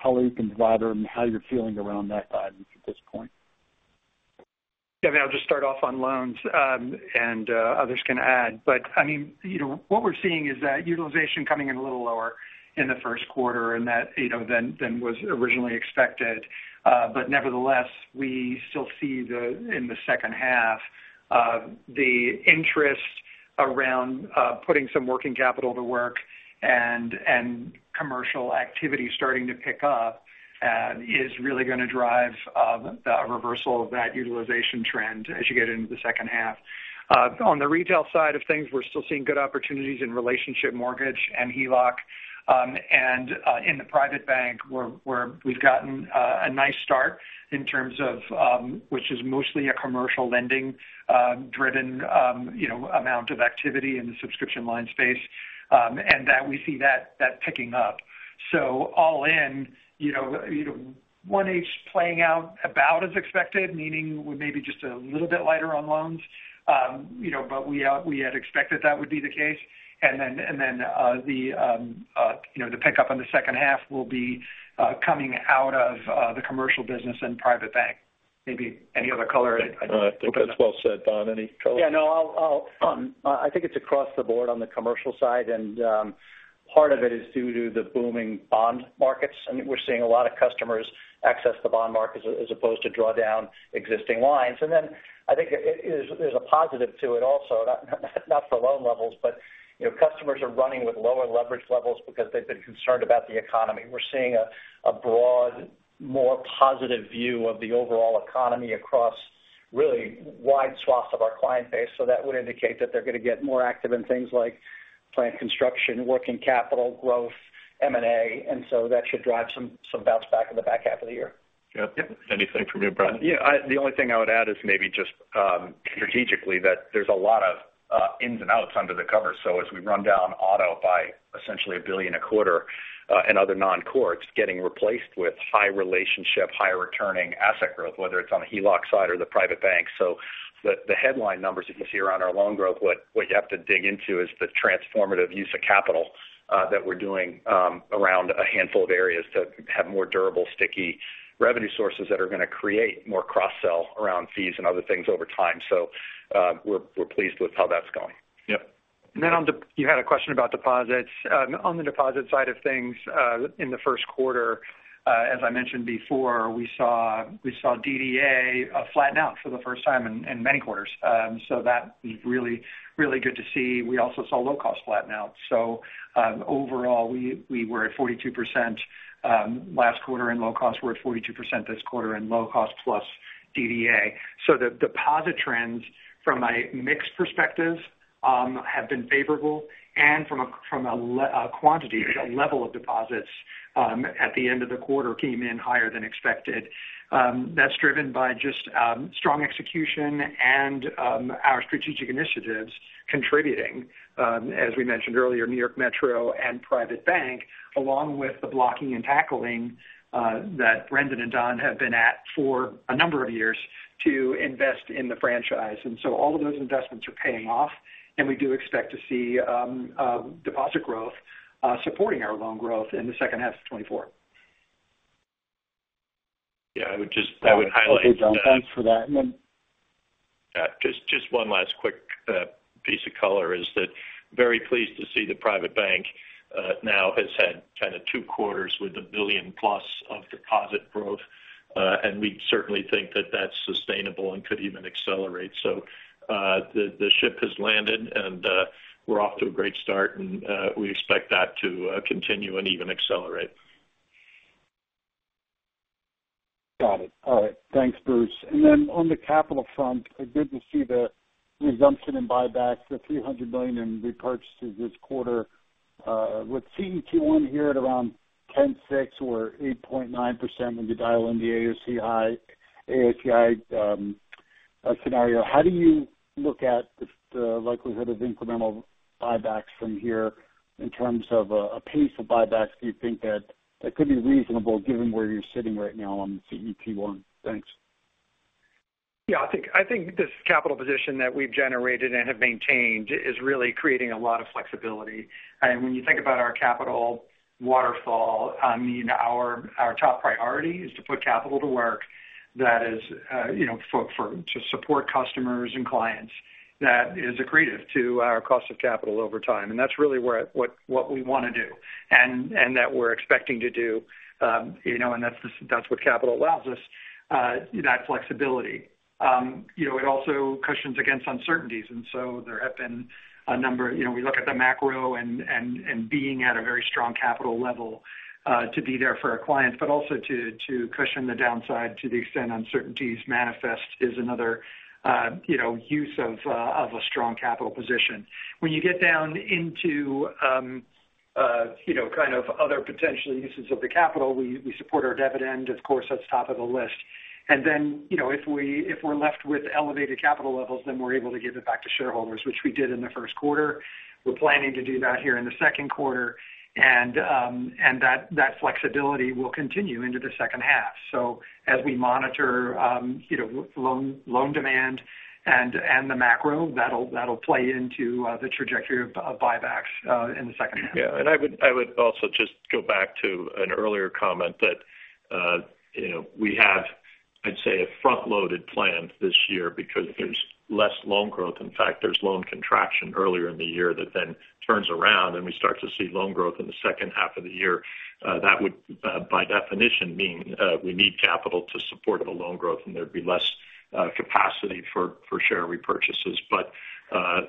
color and provide how you're feeling around that guidance at this point? Yeah. I mean, I'll just start off on loans. Others can add. But I mean, what we're seeing is that utilization coming in a little lower in the first quarter than was originally expected. But nevertheless, we still see in the second half, the interest around putting some working capital to work and commercial activity starting to pick up is really going to drive a reversal of that utilization trend as you get into the second half. On the retail side of things, we're still seeing good opportunities in relationship mortgage and HELOC. And in the private bank, we've gotten a nice start in terms of which is mostly a commercial lending-driven amount of activity in the subscription line space. And we see that picking up. So all in, 1H playing out about as expected, meaning we're maybe just a little bit lighter on loans. But we had expected that would be the case. And then the pickup in the second half will be coming out of the commercial business and private bank. Maybe any other color? I think that's well said, Don, any color? Yeah. No, I think it's across the board on the commercial side. And part of it is due to the booming bond markets. And we're seeing a lot of customers access the bond markets as opposed to draw down existing lines. And then I think there's a positive to it also, not for loan levels, but customers are running with lower leverage levels because they've been concerned about the economy. We're seeing a broad, more positive view of the overall economy across really wide swaths of our client base. So that would indicate that they're going to get more active in things like plant construction, working capital growth, M&A. And so that should drive some bounce back in the back half of the year. Yep. Anything from you, Brendan? Yeah. The only thing I would add is maybe just strategically that there's a lot of ins and outs under the covers. So as we run down auto by essentially $1 billion a quarter and other non-core, it's getting replaced with high-relationship, high-returning asset growth, whether it's on the HELOC side or the private bank. So the headline numbers that you see around our loan growth, what you have to dig into is the transformative use of capital that we're doing around a handful of areas to have more durable, sticky revenue sources that are going to create more cross-sell around fees and other things over time. So we're pleased with how that's going. Yep. And then you had a question about deposits. On the deposit side of things in the first quarter, as I mentioned before, we saw DDA flatten out for the first time in many quarters. So that was really, really good to see. We also saw low-cost flatten out. So overall, we were at 42% last quarter. In low-cost, we're at 42% this quarter in low-cost plus DDA. So the deposit trends from a mix perspective have been favorable. And from a quantity, the level of deposits at the end of the quarter came in higher than expected. That's driven by just strong execution and our strategic initiatives contributing, as we mentioned earlier, New York Metro and private bank, along with the blocking and tackling that Brendan and Don have been at for a number of years to invest in the franchise. And so all of those investments are paying off. And we do expect to see deposit growth supporting our loan growth in the second half of 2024. Yeah. I would highlight that. Okay, Don. Thanks for that. And then just one last quick piece of color is that very pleased to see the private bank now has had kind of two quarters with $1 billion-plus of deposit growth. And we certainly think that that's sustainable and could even accelerate. So the ship has landed. And we're off to a great start. And we expect that to continue and even accelerate. Got it. All right. Thanks, Bruce. And then on the capital front, good to see the resumption and buyback, the $300 million in repurchases this quarter. Let's see Q1 here at around 10.6% or 8.9% when you dial in the AOCI high scenario. How do you look at the likelihood of incremental buybacks from here in terms of a pace of buybacks? Do you think that that could be reasonable given where you're sitting right now on the CET1? Thanks. Yeah. I think this capital position that we've generated and have maintained is really creating a lot of flexibility. When you think about our capital waterfall, I mean, our top priority is to put capital to work that is to support customers and clients that is accretive to our cost of capital over time. That's really what we want to do and that we're expecting to do. That's what capital allows us, that flexibility. It also cushions against uncertainties. So there have been a number we look at the macro and being at a very strong capital level to be there for our clients, but also to cushion the downside to the extent uncertainties manifest is another use of a strong capital position. When you get down into kind of other potential uses of the capital, we support our dividend. Of course, that's top of the list. Then if we're left with elevated capital levels, then we're able to give it back to shareholders, which we did in the first quarter. We're planning to do that here in the second quarter. That flexibility will continue into the second half. So as we monitor loan demand and the macro, that'll play into the trajectory of buybacks in the second half. Yeah. I would also just go back to an earlier comment that we have, I'd say, a front-loaded plan this year because there's less loan growth. In fact, there's loan contraction earlier in the year that then turns around. We start to see loan growth in the second half of the year. That would, by definition, mean we need capital to support the loan growth. There'd be less capacity for share repurchases. But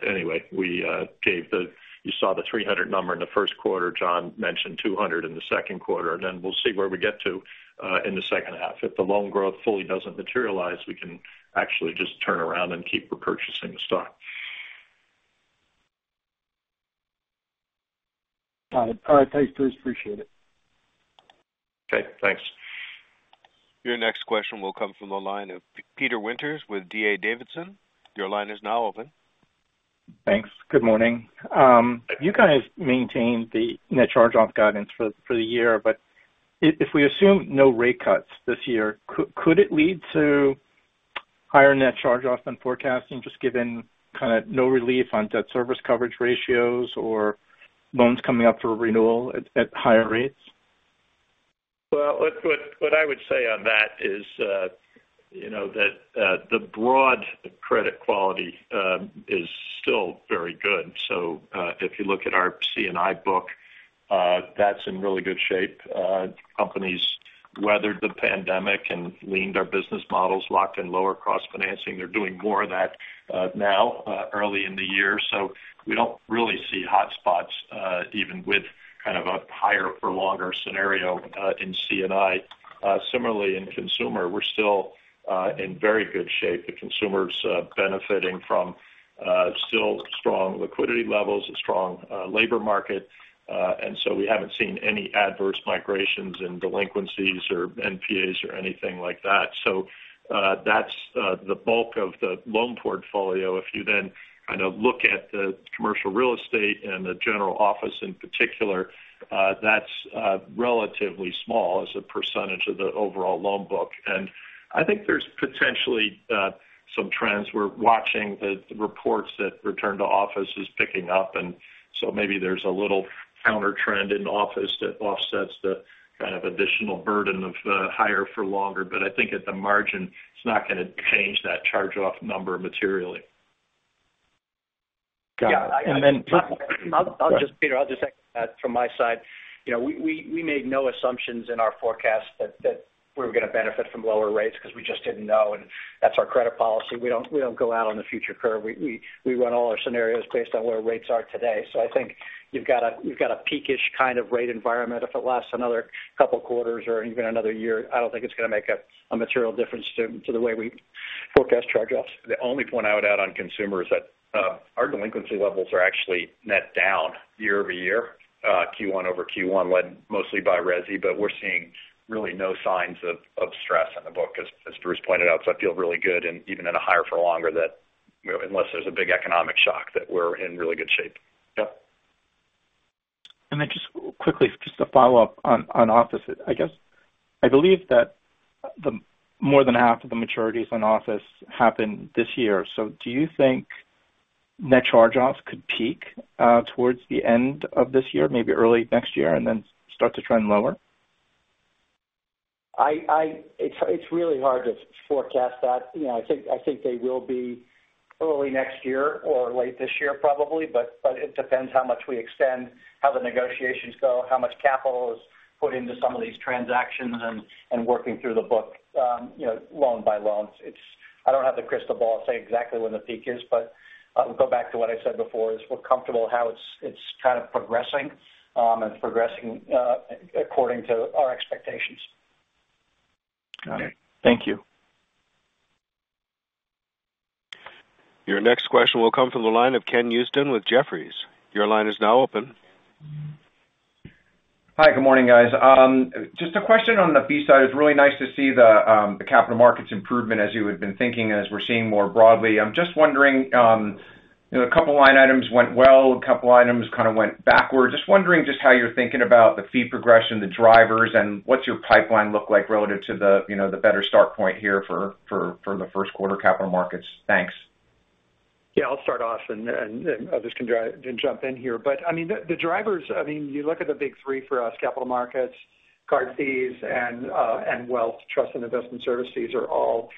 anyway, you saw the 300 number in the first quarter. John mentioned 200 in the second quarter. And then we'll see where we get to in the second half. If the loan growth fully doesn't materialize, we can actually just turn around and keep repurchasing the stock. Got it. All right. Thanks, Bruce. Appreciate it. Okay. Thanks. Your next question will come from the line of Peter Winter with D.A. Davidson. Your line is now open. Thanks. Good morning. You guys maintained the net charge-off guidance for the year. But if we assume no rate cuts this year, could it lead to higher net charge-off than forecasting, just given kind of no relief on debt service coverage ratios or loans coming up for renewal at higher rates? Well, what I would say on that is that the broad credit quality is still very good. So if you look at our C&I book, that's in really good shape. Companies weathered the pandemic and leaned our business models, locked in lower cost financing. They're doing more of that now early in the year. So we don't really see hotspots even with kind of a higher-for-longer scenario in C&I. Similarly, in consumer, we're still in very good shape. The consumer's benefiting from still strong liquidity levels, a strong labor market. And so we haven't seen any adverse migrations in delinquencies or NPAs or anything like that. So that's the bulk of the loan portfolio. If you then kind of look at the commercial real estate and the general office in particular, that's relatively small as a percentage of the overall loan book. And I think there's potentially some trends. We're watching the reports that return to office is picking up. And so maybe there's a little countertrend in office that offsets the kind of additional burden of higher-for-longer. But I think at the margin, it's not going to change that charge-off number materially. Got it. And then— Peter, I'll just second that from my side. We made no assumptions in our forecast that we were going to benefit from lower rates because we just didn't know. And that's our credit policy. We don't go out on the future curve. We run all our scenarios based on where rates are today. So I think you've got a peak-ish kind of rate environment. If it lasts another couple of quarters or even another year, I don't think it's going to make a material difference to the way we forecast charge-offs. The only point I would add on consumer is that our delinquency levels are actually net down year-over-year, Q1 over Q1, led mostly by resi. But we're seeing really no signs of stress in the book, as Bruce pointed out. So I feel really good, even in a higher-for-longer, unless there's a big economic shock, that we're in really good shape. Yep. And then just quickly, just to follow up on office, I guess I believe that more than half of the maturities on office happened this year. So do you think net charge-offs could peak towards the end of this year, maybe early next year, and then start to trend lower? It's really hard to forecast that. I think they will be early next year or late this year, probably. But it depends how much we extend, how the negotiations go, how much capital is put into some of these transactions, and working through the book loan by loan. I don't have the crystal ball to say exactly when the peak is. But we'll go back to what I said before, is we're comfortable how it's kind of progressing. And it's progressing according to our expectations. Got it. Thank you. Your next question will come from the line of Ken Usdin with Jefferies. Your line is now open. Hi. Good morning, guys. Just a question on the fee side. It's really nice to see the capital markets improvement, as you had been thinking, as we're seeing more broadly. I'm just wondering, a couple of line items went well. A couple of items kind of went backward. Just wondering just how you're thinking about the fee progression, the drivers, and what's your pipeline look like relative to the better start point here for the first quarter capital markets. Thanks. Yeah. I'll start off. And I'll just jump in here. But I mean, the drivers, I mean, you look at the big three for us, capital markets, card fees, and wealth, trust, and investment services, are all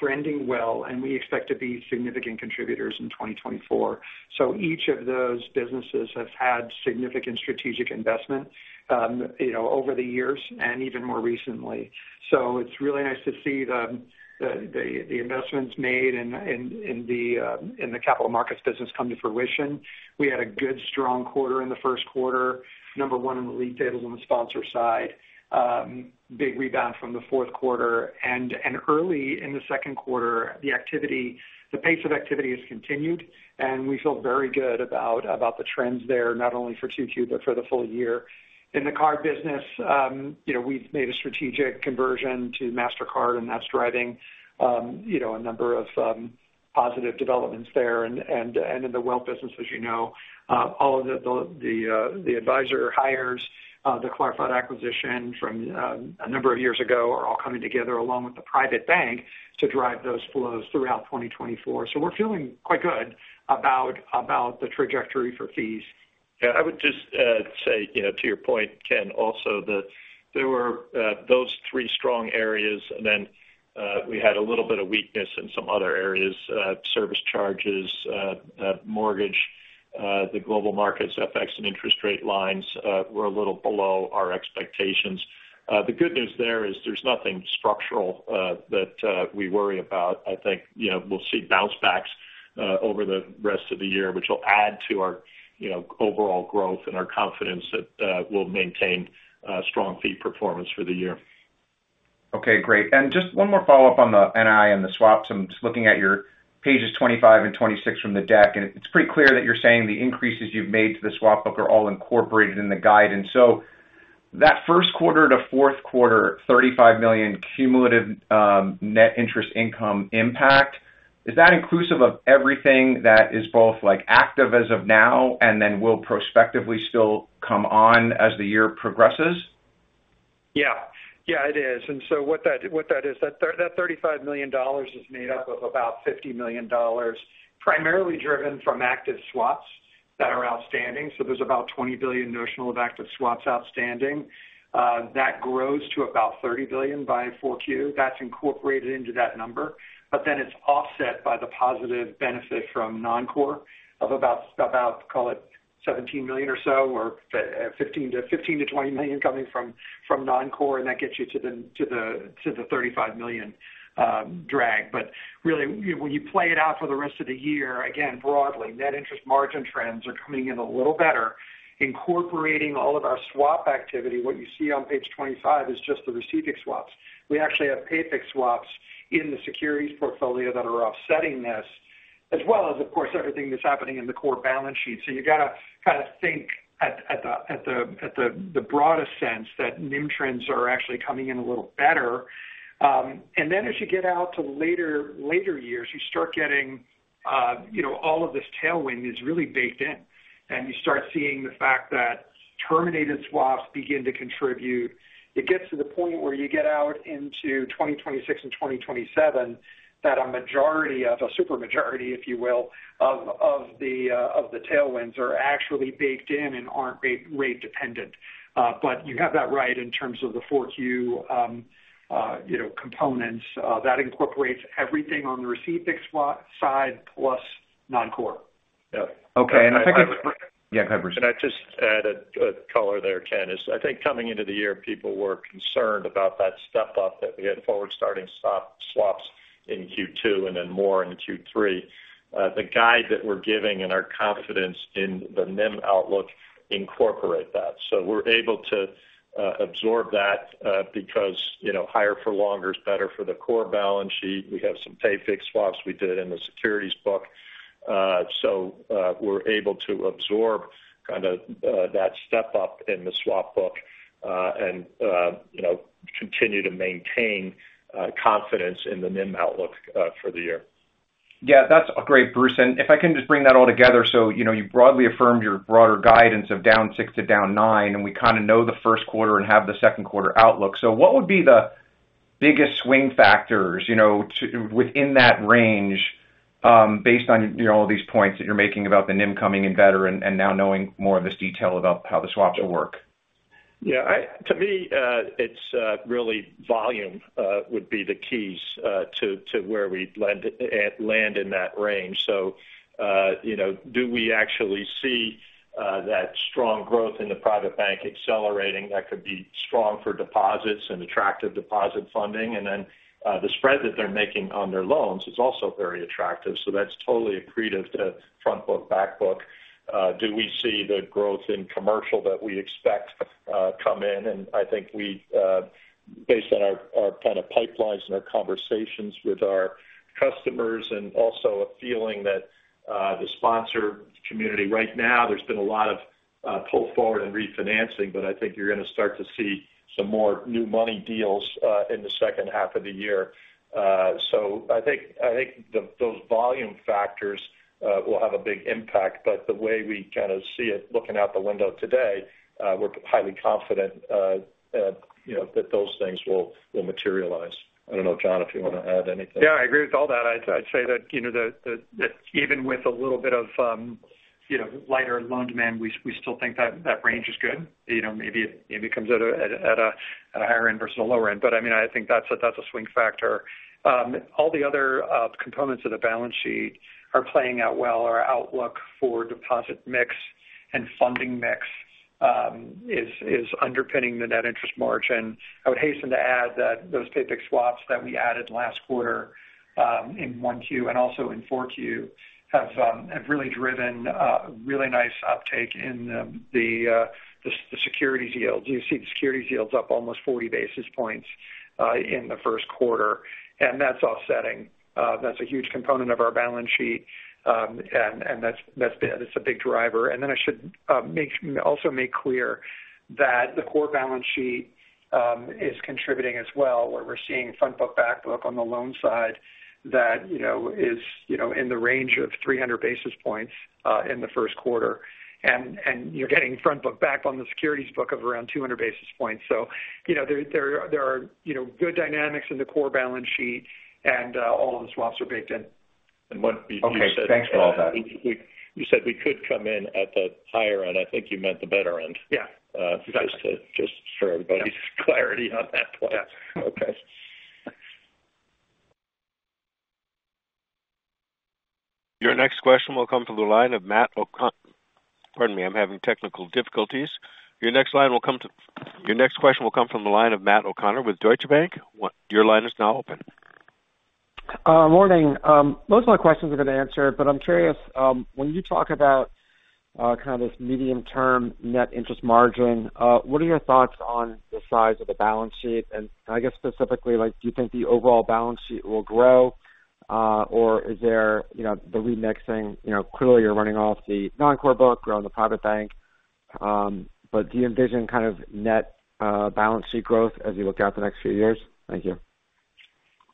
trending well. We expect to be significant contributors in 2024. So each of those businesses has had significant strategic investment over the years and even more recently. So it's really nice to see the investments made in the capital markets business come to fruition. We had a good, strong quarter in the first quarter, number one in the league tables on the sponsor side, big rebound from the fourth quarter. And early in the second quarter, the pace of activity has continued. And we feel very good about the trends there, not only for Q2 but for the full year. In the card business, we've made a strategic conversion to Mastercard. And that's driving a number of positive developments there. In the wealth business, as you know, all of the advisor hires, the Clarfeld acquisition from a number of years ago, are all coming together along with the private bank to drive those flows throughout 2024. So we're feeling quite good about the trajectory for fees. Yeah. I would just say, to your point, Ken, also that there were those three strong areas. And then we had a little bit of weakness in some other areas, service charges, mortgage, the global markets, FX, and interest rate lines were a little below our expectations. The good news there is there's nothing structural that we worry about. I think we'll see bounce-backs over the rest of the year, which will add to our overall growth and our confidence that we'll maintain strong fee performance for the year. Okay. Great. And just one more follow-up on the NII and the swaps. I'm just looking at your pages 25 and 26 from the deck. It's pretty clear that you're saying the increases you've made to the swap book are all incorporated in the guide. So that first quarter to fourth quarter, $35 million cumulative net interest income impact, is that inclusive of everything that is both active as of now and then will prospectively still come on as the year progresses? Yeah. Yeah, it is. What that is, that $35 million is made up of about $50 million, primarily driven from active swaps that are outstanding. So there's about $20 billion notional of active swaps outstanding. That grows to about $30 billion by 4Q. That's incorporated into that number. But then it's offset by the positive benefit from non-core of about, call it, $17 million or so or $15 million-$20 million coming from non-core. And that gets you to the $35 million drag. But really, when you play it out for the rest of the year, again, broadly, net interest margin trends are coming in a little better. Incorporating all of our swap activity, what you see on page 25 is just the receive-fixed swaps. We actually have pay-fixed swaps in the securities portfolio that are offsetting this, as well as, of course, everything that's happening in the core balance sheet. So you've got to kind of think at the broadest sense that NIM trends are actually coming in a little better. And then as you get out to later years, you start getting all of this tailwind is really baked in. And you start seeing the fact that terminated swaps begin to contribute. It gets to the point where you get out into 2026 and 2027 that a majority of, a super majority, if you will, of the tailwinds are actually baked in and aren't rate-dependent. But you have that right in terms of the 4Q components. That incorporates everything on the receive-fixed swap side plus non-core. Yeah. Okay. And I think—yeah. Go ahead, Bruce. Can I just add a color there, Ken? I think coming into the year, people were concerned about that step-up that we had forward-starting swaps in Q2 and then more in Q3. The guide that we're giving and our confidence in the NIM outlook incorporate that. So we're able to absorb that because higher-for-longer is better for the core balance sheet. We have some pay-fixed swaps we did in the securities book. So we're able to absorb kind of that step-up in the swap book and continue to maintain confidence in the NIM outlook for the year. Yeah. That's great, Bruce. And if I can just bring that all together, so you broadly affirmed your broader guidance of down 6%-9%. And we kind of know the first quarter and have the second quarter outlook. So what would be the biggest swing factors within that range based on all these points that you're making about the NIM coming in better and now knowing more of this detail about how the swaps will work? Yeah. To me, it's really volume would be the keys to where we land in that range. So do we actually see that strong growth in the private bank accelerating? That could be strong for deposits and attractive deposit funding. And then the spread that they're making on their loans, it's also very attractive. So that's totally accretive to front book, back book. Do we see the growth in commercial that we expect come in? And I think we, based on our kind of pipelines and our conversations with our customers and also a feeling that the sponsor community right now, there's been a lot of pull forward and refinancing. But I think you're going to start to see some more new money deals in the second half of the year. So I think those volume factors will have a big impact. But the way we kind of see it looking out the window today, we're highly confident that those things will materialize. I don't know, John, if you want to add anything. Yeah. I agree with all that. I'd say that even with a little bit of lighter loan demand, we still think that range is good. Maybe it comes at a higher end versus a lower end. But I mean, I think that's a swing factor. All the other components of the balance sheet are playing out well. Our outlook for deposit mix and funding mix is underpinning the net interest margin. I would hasten to add that those pay-fixed swaps that we added last quarter in 1Q and also in 4Q have really driven really nice uptake in the securities yields. You see the securities yields up almost 40 basis points in the first quarter. And that's offsetting. That's a huge component of our balance sheet. And that's big. That's a big driver. And then I should also make clear that the core balance sheet is contributing as well, where we're seeing front book, back book on the loan side that is in the range of 300 basis points in the first quarter. And you're getting front book, back on the securities book of around 200 basis points. So there are good dynamics in the core balance sheet. And all of the swaps are baked in. And what you said— Okay. Thanks for all that. You said we could come in at the higher end. I think you meant the better end. Yeah. Just to share everybody's clarity on that point. Okay. Your next question will come from the line of Matt O'Connor. Pardon me. I'm having technical difficulties. Your next line will come to your next question will come from the line of Matt O'Connor with Deutsche Bank. Your line is now open. Morning. Most of my questions are good to answer. But I'm curious, when you talk about kind of this medium-term net interest margin, what are your thoughts on the size of the balance sheet? And I guess specifically, do you think the overall balance sheet will grow? Or is there the remixing? Clearly, you're running off the non-core book, growing the private bank. But do you envision kind of net balance sheet growth as you look out the next few years? Thank you.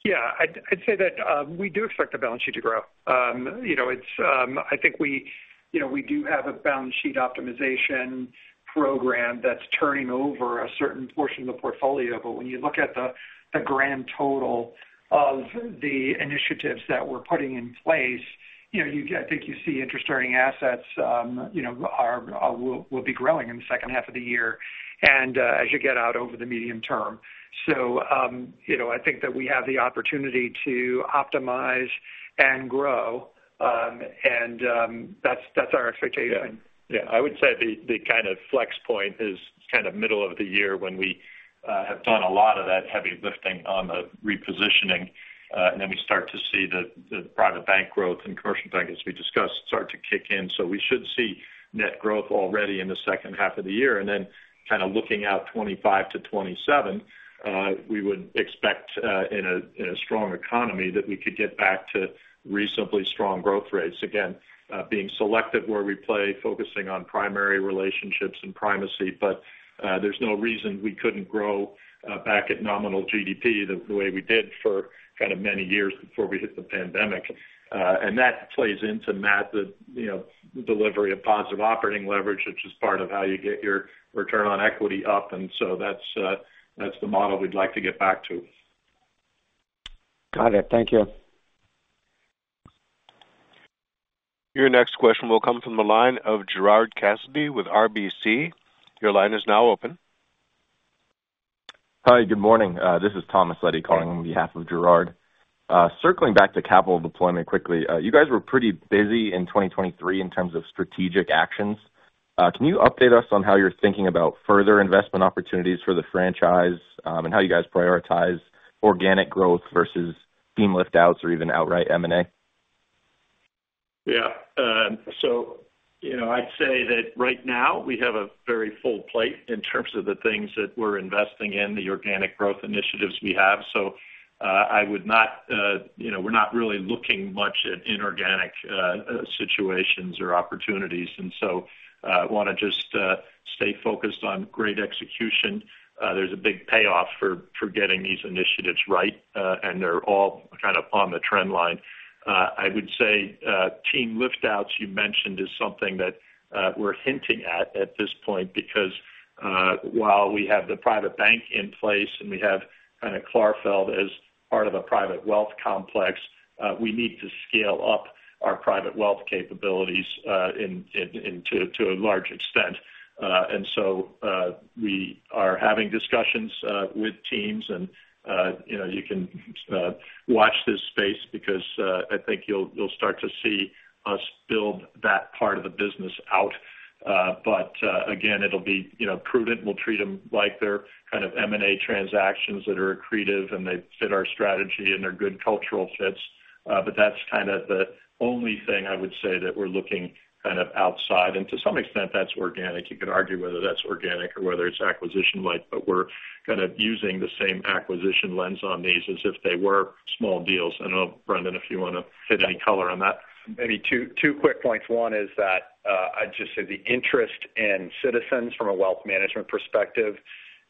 Yeah. I'd say that we do expect the balance sheet to grow. I think we do have a balance sheet optimization program that's turning over a certain portion of the portfolio. But when you look at the grand total of the initiatives that we're putting in place, I think you see interest-earning assets will be growing in the second half of the year and as you get out over the medium term. So I think that we have the opportunity to optimize and grow. And that's our expectation. Yeah. Yeah. I would say the kind of flex point is kind of middle of the year when we have done a lot of that heavy lifting on the repositioning. And then we start to see the private bank growth and commercial bank, as we discussed, start to kick in. So we should see net growth already in the second half of the year. And then kind of looking out 2025-2027, we would expect, in a strong economy, that we could get back to reasonably strong growth rates. Again, being selective where we play, focusing on primary relationships and primacy. But there's no reason we couldn't grow back at nominal GDP the way we did for kind of many years before we hit the pandemic. And that plays into, Matt, the delivery of positive operating leverage, which is part of how you get your return on equity up. And so that's the model we'd like to get back to. Got it. Thank you. Your next question will come from the line of Gerard Cassidy with RBC. Your line is now open. Hi. Good morning. This is Thomas Leddy calling on behalf of Gerard. Circling back to capital deployment quickly, you guys were pretty busy in 2023 in terms of strategic actions. Can you update us on how you're thinking about further investment opportunities for the franchise and how you guys prioritize organic growth versus team liftouts or even outright M&A? Yeah. So I'd say that right now, we have a very full plate in terms of the things that we're investing in, the organic growth initiatives we have. So we're not really looking much at inorganic situations or opportunities. And so I want to just stay focused on great execution. There's a big payoff for getting these initiatives right. And they're all kind of on the trend line. I would say team liftouts you mentioned is something that we're hinting at at this point because while we have the private bank in place and we have kind of Clarfeld as part of a private wealth complex, we need to scale up our private wealth capabilities to a large extent. And so we are having discussions with teams. And you can watch this space because I think you'll start to see us build that part of the business out. But again, it'll be prudent. We'll treat them like they're kind of M&A transactions that are accretive. And they fit our strategy. And they're good cultural fits. But that's kind of the only thing, I would say, that we're looking kind of outside. And to some extent, that's organic. You could argue whether that's organic or whether it's acquisition-like. But we're kind of using the same acquisition lens on these as if they were small deals. I don't know, Brendan, if you want to put any color on that. Maybe two quick points. One is that I'd just say the interest in Citizens from a wealth management perspective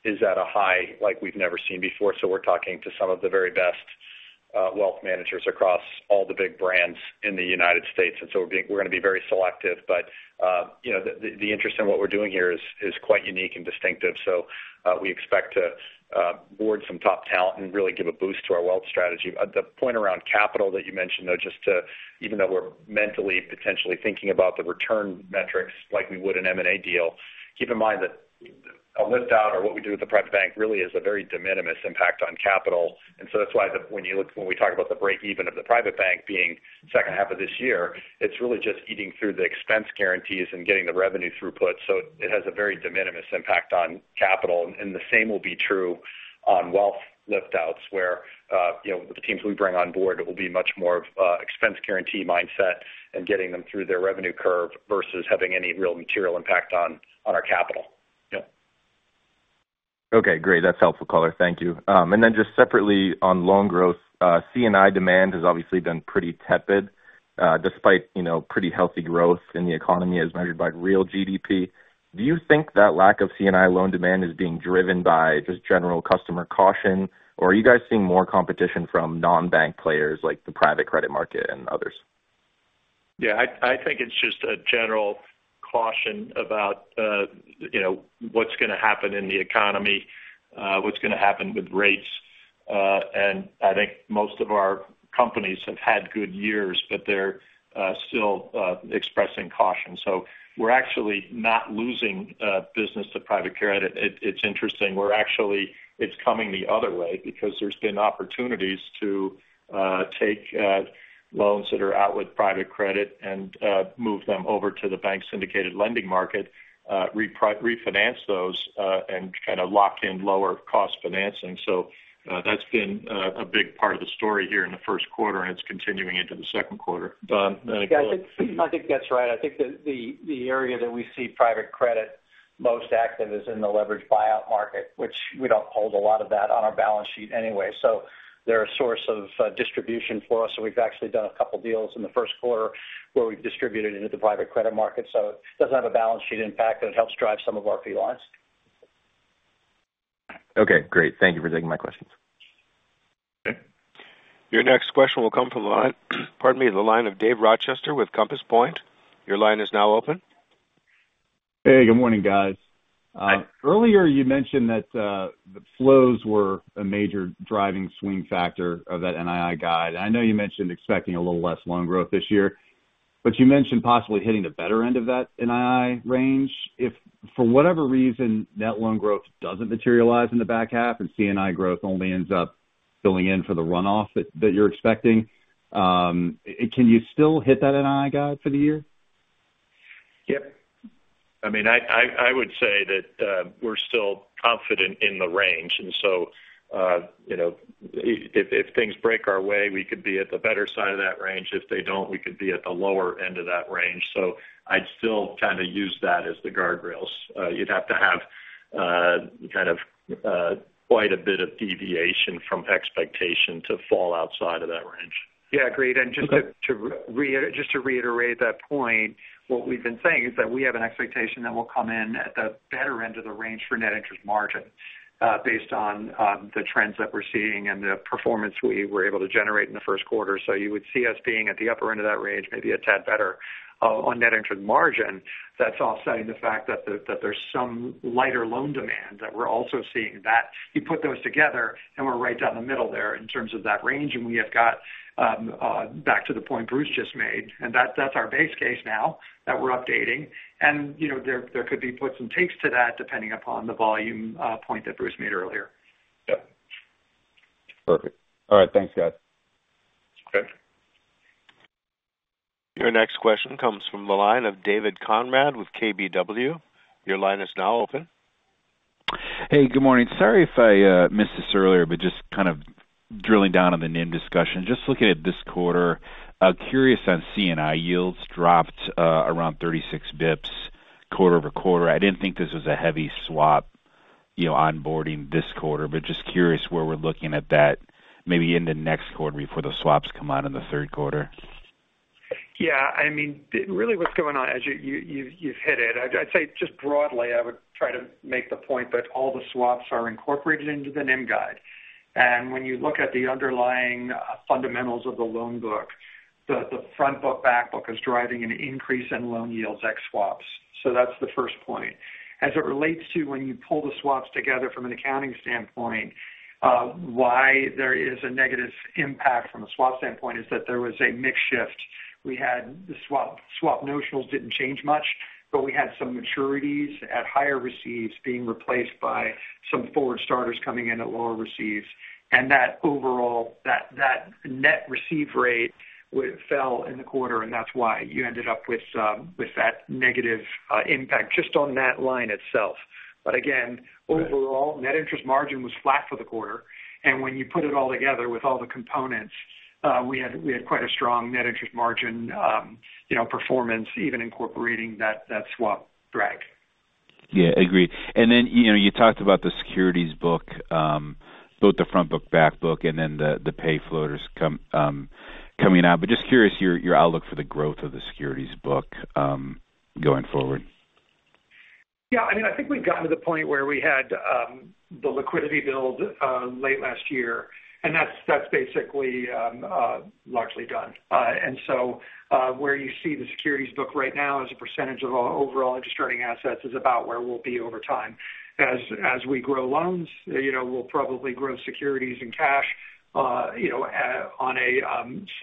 is at a high like we've never seen before. So we're talking to some of the very best wealth managers across all the big brands in the United States. And so we're going to be very selective. But the interest in what we're doing here is quite unique and distinctive. So we expect to board some top talent and really give a boost to our wealth strategy. The point around capital that you mentioned, though, just to even though we're mentally potentially thinking about the return metrics like we would an M&A deal, keep in mind that a liftout or what we do with the private bank really has a very de minimis impact on capital. So that's why when we talk about the break-even of the private bank being second half of this year, it's really just eating through the expense guarantees and getting the revenue throughput. So it has a very de minimis impact on capital. The same will be true on wealth liftouts where the teams we bring on board; it will be much more of expense guarantee mindset and getting them through their revenue curve versus having any real material impact on our capital. Yeah. Okay. Great. That's helpful color. Thank you. And then just separately on loan growth, C&I demand has obviously been pretty tepid despite pretty healthy growth in the economy as measured by real GDP. Do you think that lack of C&I loan demand is being driven by just general customer caution? Or are you guys seeing more competition from non-bank players like the private credit market and others? Yeah. I think it's just a general caution about what's going to happen in the economy, what's going to happen with rates. And I think most of our companies have had good years. But they're still expressing caution. So we're actually not losing business to private credit. It's interesting. It's coming the other way because there's been opportunities to take loans that are out with private credit and move them over to the bank-syndicated lending market, refinance those, and kind of lock in lower-cost financing. So that's been a big part of the story here in the first quarter. And it's continuing into the second quarter. Don? Yeah. I think that's right. I think the area that we see private credit most active is in the leveraged buyout market, which we don't hold a lot of that on our balance sheet anyway. So they're a source of distribution for us. So we've actually done a couple deals in the first quarter where we've distributed into the private credit market. So it doesn't have a balance sheet impact. But it helps drive some of our fee lines. Okay. Great. Thank you for taking my questions. Okay. Your next question will come from the line, pardon me, the line of Dave Rochester with Compass Point. Your line is now open. Hey. Good morning, guys. Earlier, you mentioned that the flows were a major driving swing factor of that NII guide. I know you mentioned expecting a little less loan growth this year. You mentioned possibly hitting the better end of that NII range. If for whatever reason, net loan growth doesn't materialize in the back half and C&I growth only ends up filling in for the runoff that you're expecting, can you still hit that NII guide for the year? Yep. I mean, I would say that we're still confident in the range. So if things break our way, we could be at the better side of that range. If they don't, we could be at the lower end of that range. I'd still kind of use that as the guardrails. You'd have to have kind of quite a bit of deviation from expectation to fall outside of that range. Yeah. Great. And just to reiterate that point, what we've been saying is that we have an expectation that we'll come in at the better end of the range for net interest margin based on the trends that we're seeing and the performance we were able to generate in the first quarter. So you would see us being at the upper end of that range, maybe a tad better on net interest margin. That's offsetting the fact that there's some lighter loan demand that we're also seeing. You put those together. And we're right down the middle there in terms of that range. And we have got back to the point Bruce just made. And that's our base case now that we're updating. And there could be puts and takes to that depending upon the volume point that Bruce made earlier. Yep. Perfect. All right. Thanks, guys. Okay. Your next question comes from the line of David Konrad with KBW. Your line is now open. Hey. Good morning. Sorry if I missed this earlier. But just kind of drilling down on the NIM discussion, just looking at this quarter, curious on C&I yields dropped around 36 bps quarter-over-quarter. I didn't think this was a heavy swap onboarding this quarter. But just curious where we're looking at that maybe in the next quarter before the swaps come out in the third quarter. Yeah. I mean, really, what's going on, you've hit it. I'd say just broadly, I would try to make the point that all the swaps are incorporated into the NIM guide. And when you look at the underlying fundamentals of the loan book, the front book, back book is driving an increase in loan yields ex-swaps. So that's the first point. As it relates to when you pull the swaps together from an accounting standpoint, why there is a negative impact from a swap standpoint is that there was a mismatch. The swap notionals didn't change much. But we had some maturities at higher receives being replaced by some forward starters coming in at lower receives. And that overall, that net receive rate fell in the quarter. And that's why you ended up with that negative impact just on that line itself. But again, overall, net interest margin was flat for the quarter. And when you put it all together with all the components, we had quite a strong net interest margin performance even incorporating that swap drag. Yeah. Agreed. And then you talked about the securities book, both the front book, back book, and then the pay floaters coming out. But just curious, your outlook for the growth of the securities book going forward. Yeah. I mean, I think we've gotten to the point where we had the liquidity build late last year. That's basically largely done. So where you see the securities book right now as a percentage of all overall interest-earning assets is about where we'll be over time. As we grow loans, we'll probably grow securities and cash on a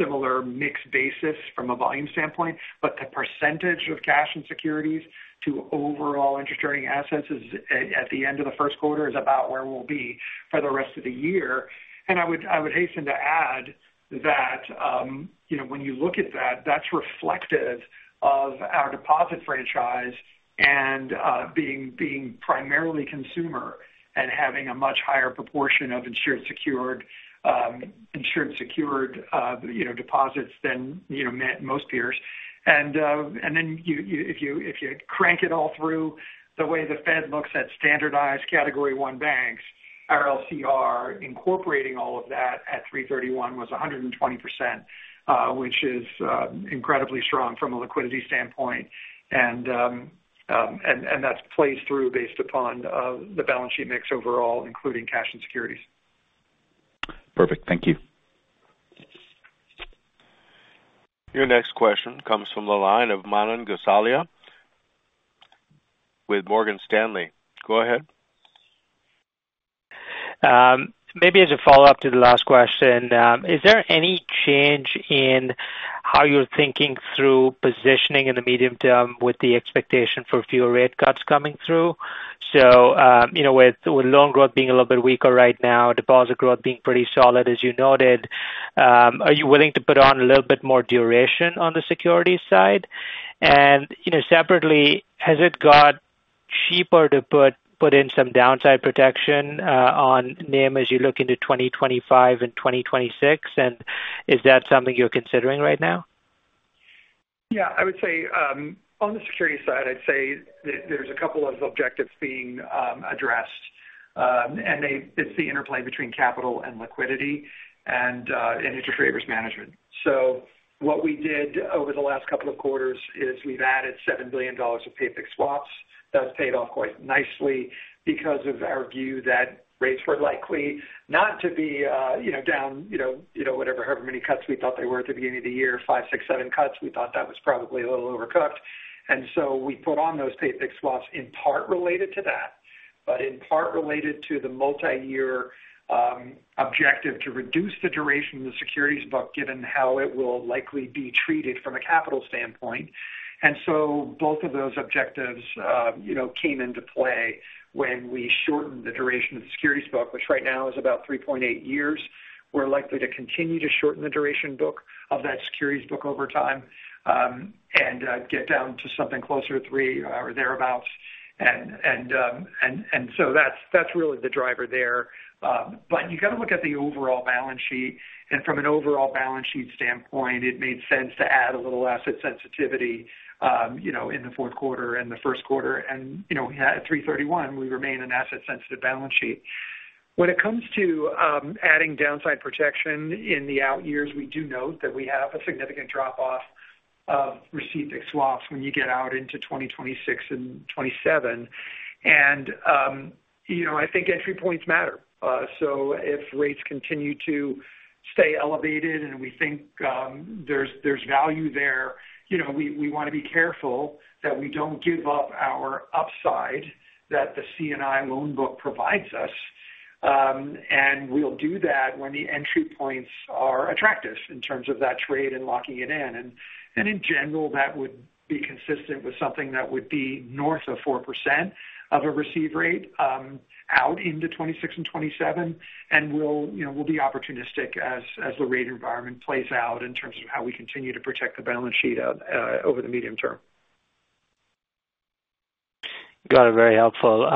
similar mixed basis from a volume standpoint. But the percentage of cash and securities to overall interest-earning assets at the end of the first quarter is about where we'll be for the rest of the year. I would hasten to add that when you look at that, that's reflective of our deposit franchise and being primarily consumer and having a much higher proportion of insured-secured deposits than most peers. Then if you crank it all through the way the Fed looks at standardized category one banks, our LCR incorporating all of that at 3/31 was 120%, which is incredibly strong from a liquidity standpoint. That plays through based upon the balance sheet mix overall, including cash and securities. Perfect. Thank you. Your next question comes from the line of Manan Gosalia with Morgan Stanley. Go ahead. Maybe as a follow-up to the last question, is there any change in how you're thinking through positioning in the medium term with the expectation for fewer rate cuts coming through? So with loan growth being a little bit weaker right now, deposit growth being pretty solid, as you noted, are you willing to put on a little bit more duration on the securities side? Separately, has it got cheaper to put in some downside protection on NIM as you look into 2025 and 2026? Is that something you're considering right now? Yeah. I would say on the securities side, I'd say that there's a couple of objectives being addressed. It's the interplay between capital and liquidity and interest rate risk management. What we did over the last couple of quarters is we've added $7 billion of pay-fixed swaps. That's paid off quite nicely because of our view that rates were likely not to be down whatever many cuts we thought they were at the beginning of the year, 5, 6, 7 cuts. We thought that was probably a little overcooked. We put on those pay-fixed swaps in part related to that but in part related to the multi-year objective to reduce the duration of the securities book given how it will likely be treated from a capital standpoint. Both of those objectives came into play when we shortened the duration of the securities book, which right now is about 3.8 years. We're likely to continue to shorten the duration book of that securities book over time and get down to something closer to three or thereabouts. That's really the driver there. But you've got to look at the overall balance sheet. From an overall balance sheet standpoint, it made sense to add a little asset sensitivity in the fourth quarter and the first quarter. At 3/31, we remain an asset-sensitive balance sheet. When it comes to adding downside protection in the out years, we do note that we have a significant drop-off of receipt-fixed swaps when you get out into 2026 and 2027. I think entry points matter. If rates continue to stay elevated and we think there's value there, we want to be careful that we don't give up our upside that the C&I loan book provides us. We'll do that when the entry points are attractive in terms of that trade and locking it in. In general, that would be consistent with something that would be north of 4% of a receive rate out into 2026 and 2027. We'll be opportunistic as the rate environment plays out in terms of how we continue to protect the balance sheet over the medium term. Got it. Very helpful.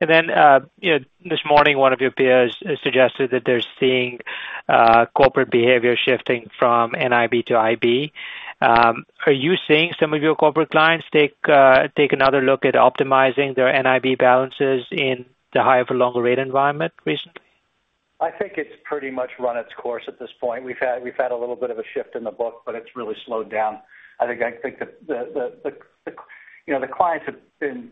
Then this morning, one of your peers suggested that they're seeing corporate behavior shifting from NIB to IB. Are you seeing some of your corporate clients take another look at optimizing their NIB balances in the higher-for-longer-rate environment recently? I think it's pretty much run its course at this point. We've had a little bit of a shift in the book. But it's really slowed down. I think that the clients have been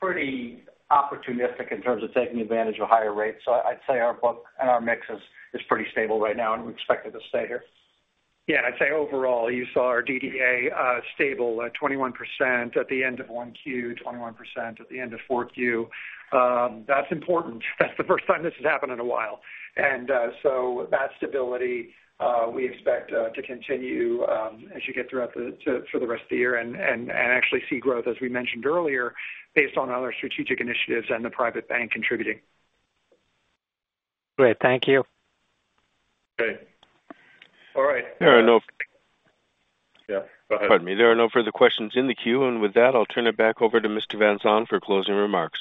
pretty opportunistic in terms of taking advantage of higher rates. So I'd say our book and our mix is pretty stable right now. And we expect it to stay here. Yeah. And I'd say overall, you saw our DDA stable at 21% at the end of 1Q, 21% at the end of 4Q. That's important. That's the first time this has happened in a while. And so that stability, we expect to continue as you get throughout the for the rest of the year and actually see growth, as we mentioned earlier, based on other strategic initiatives and the private bank contributing. Great. Thank you. Great. All right. There are no further questions in the queue. And with that, I'll turn it back over to Mr. Van Saun for closing remarks.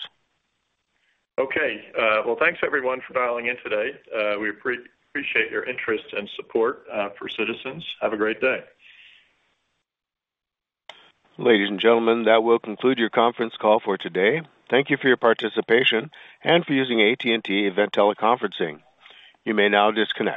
Okay. Well, thanks, everyone, for dialing in today. We appreciate your interest and support for Citizens. Have a great day. Ladies and gentlemen, that will conclude your conference call for today. Thank you for your participation and for using AT&T Teleconferencing. You may now disconnect.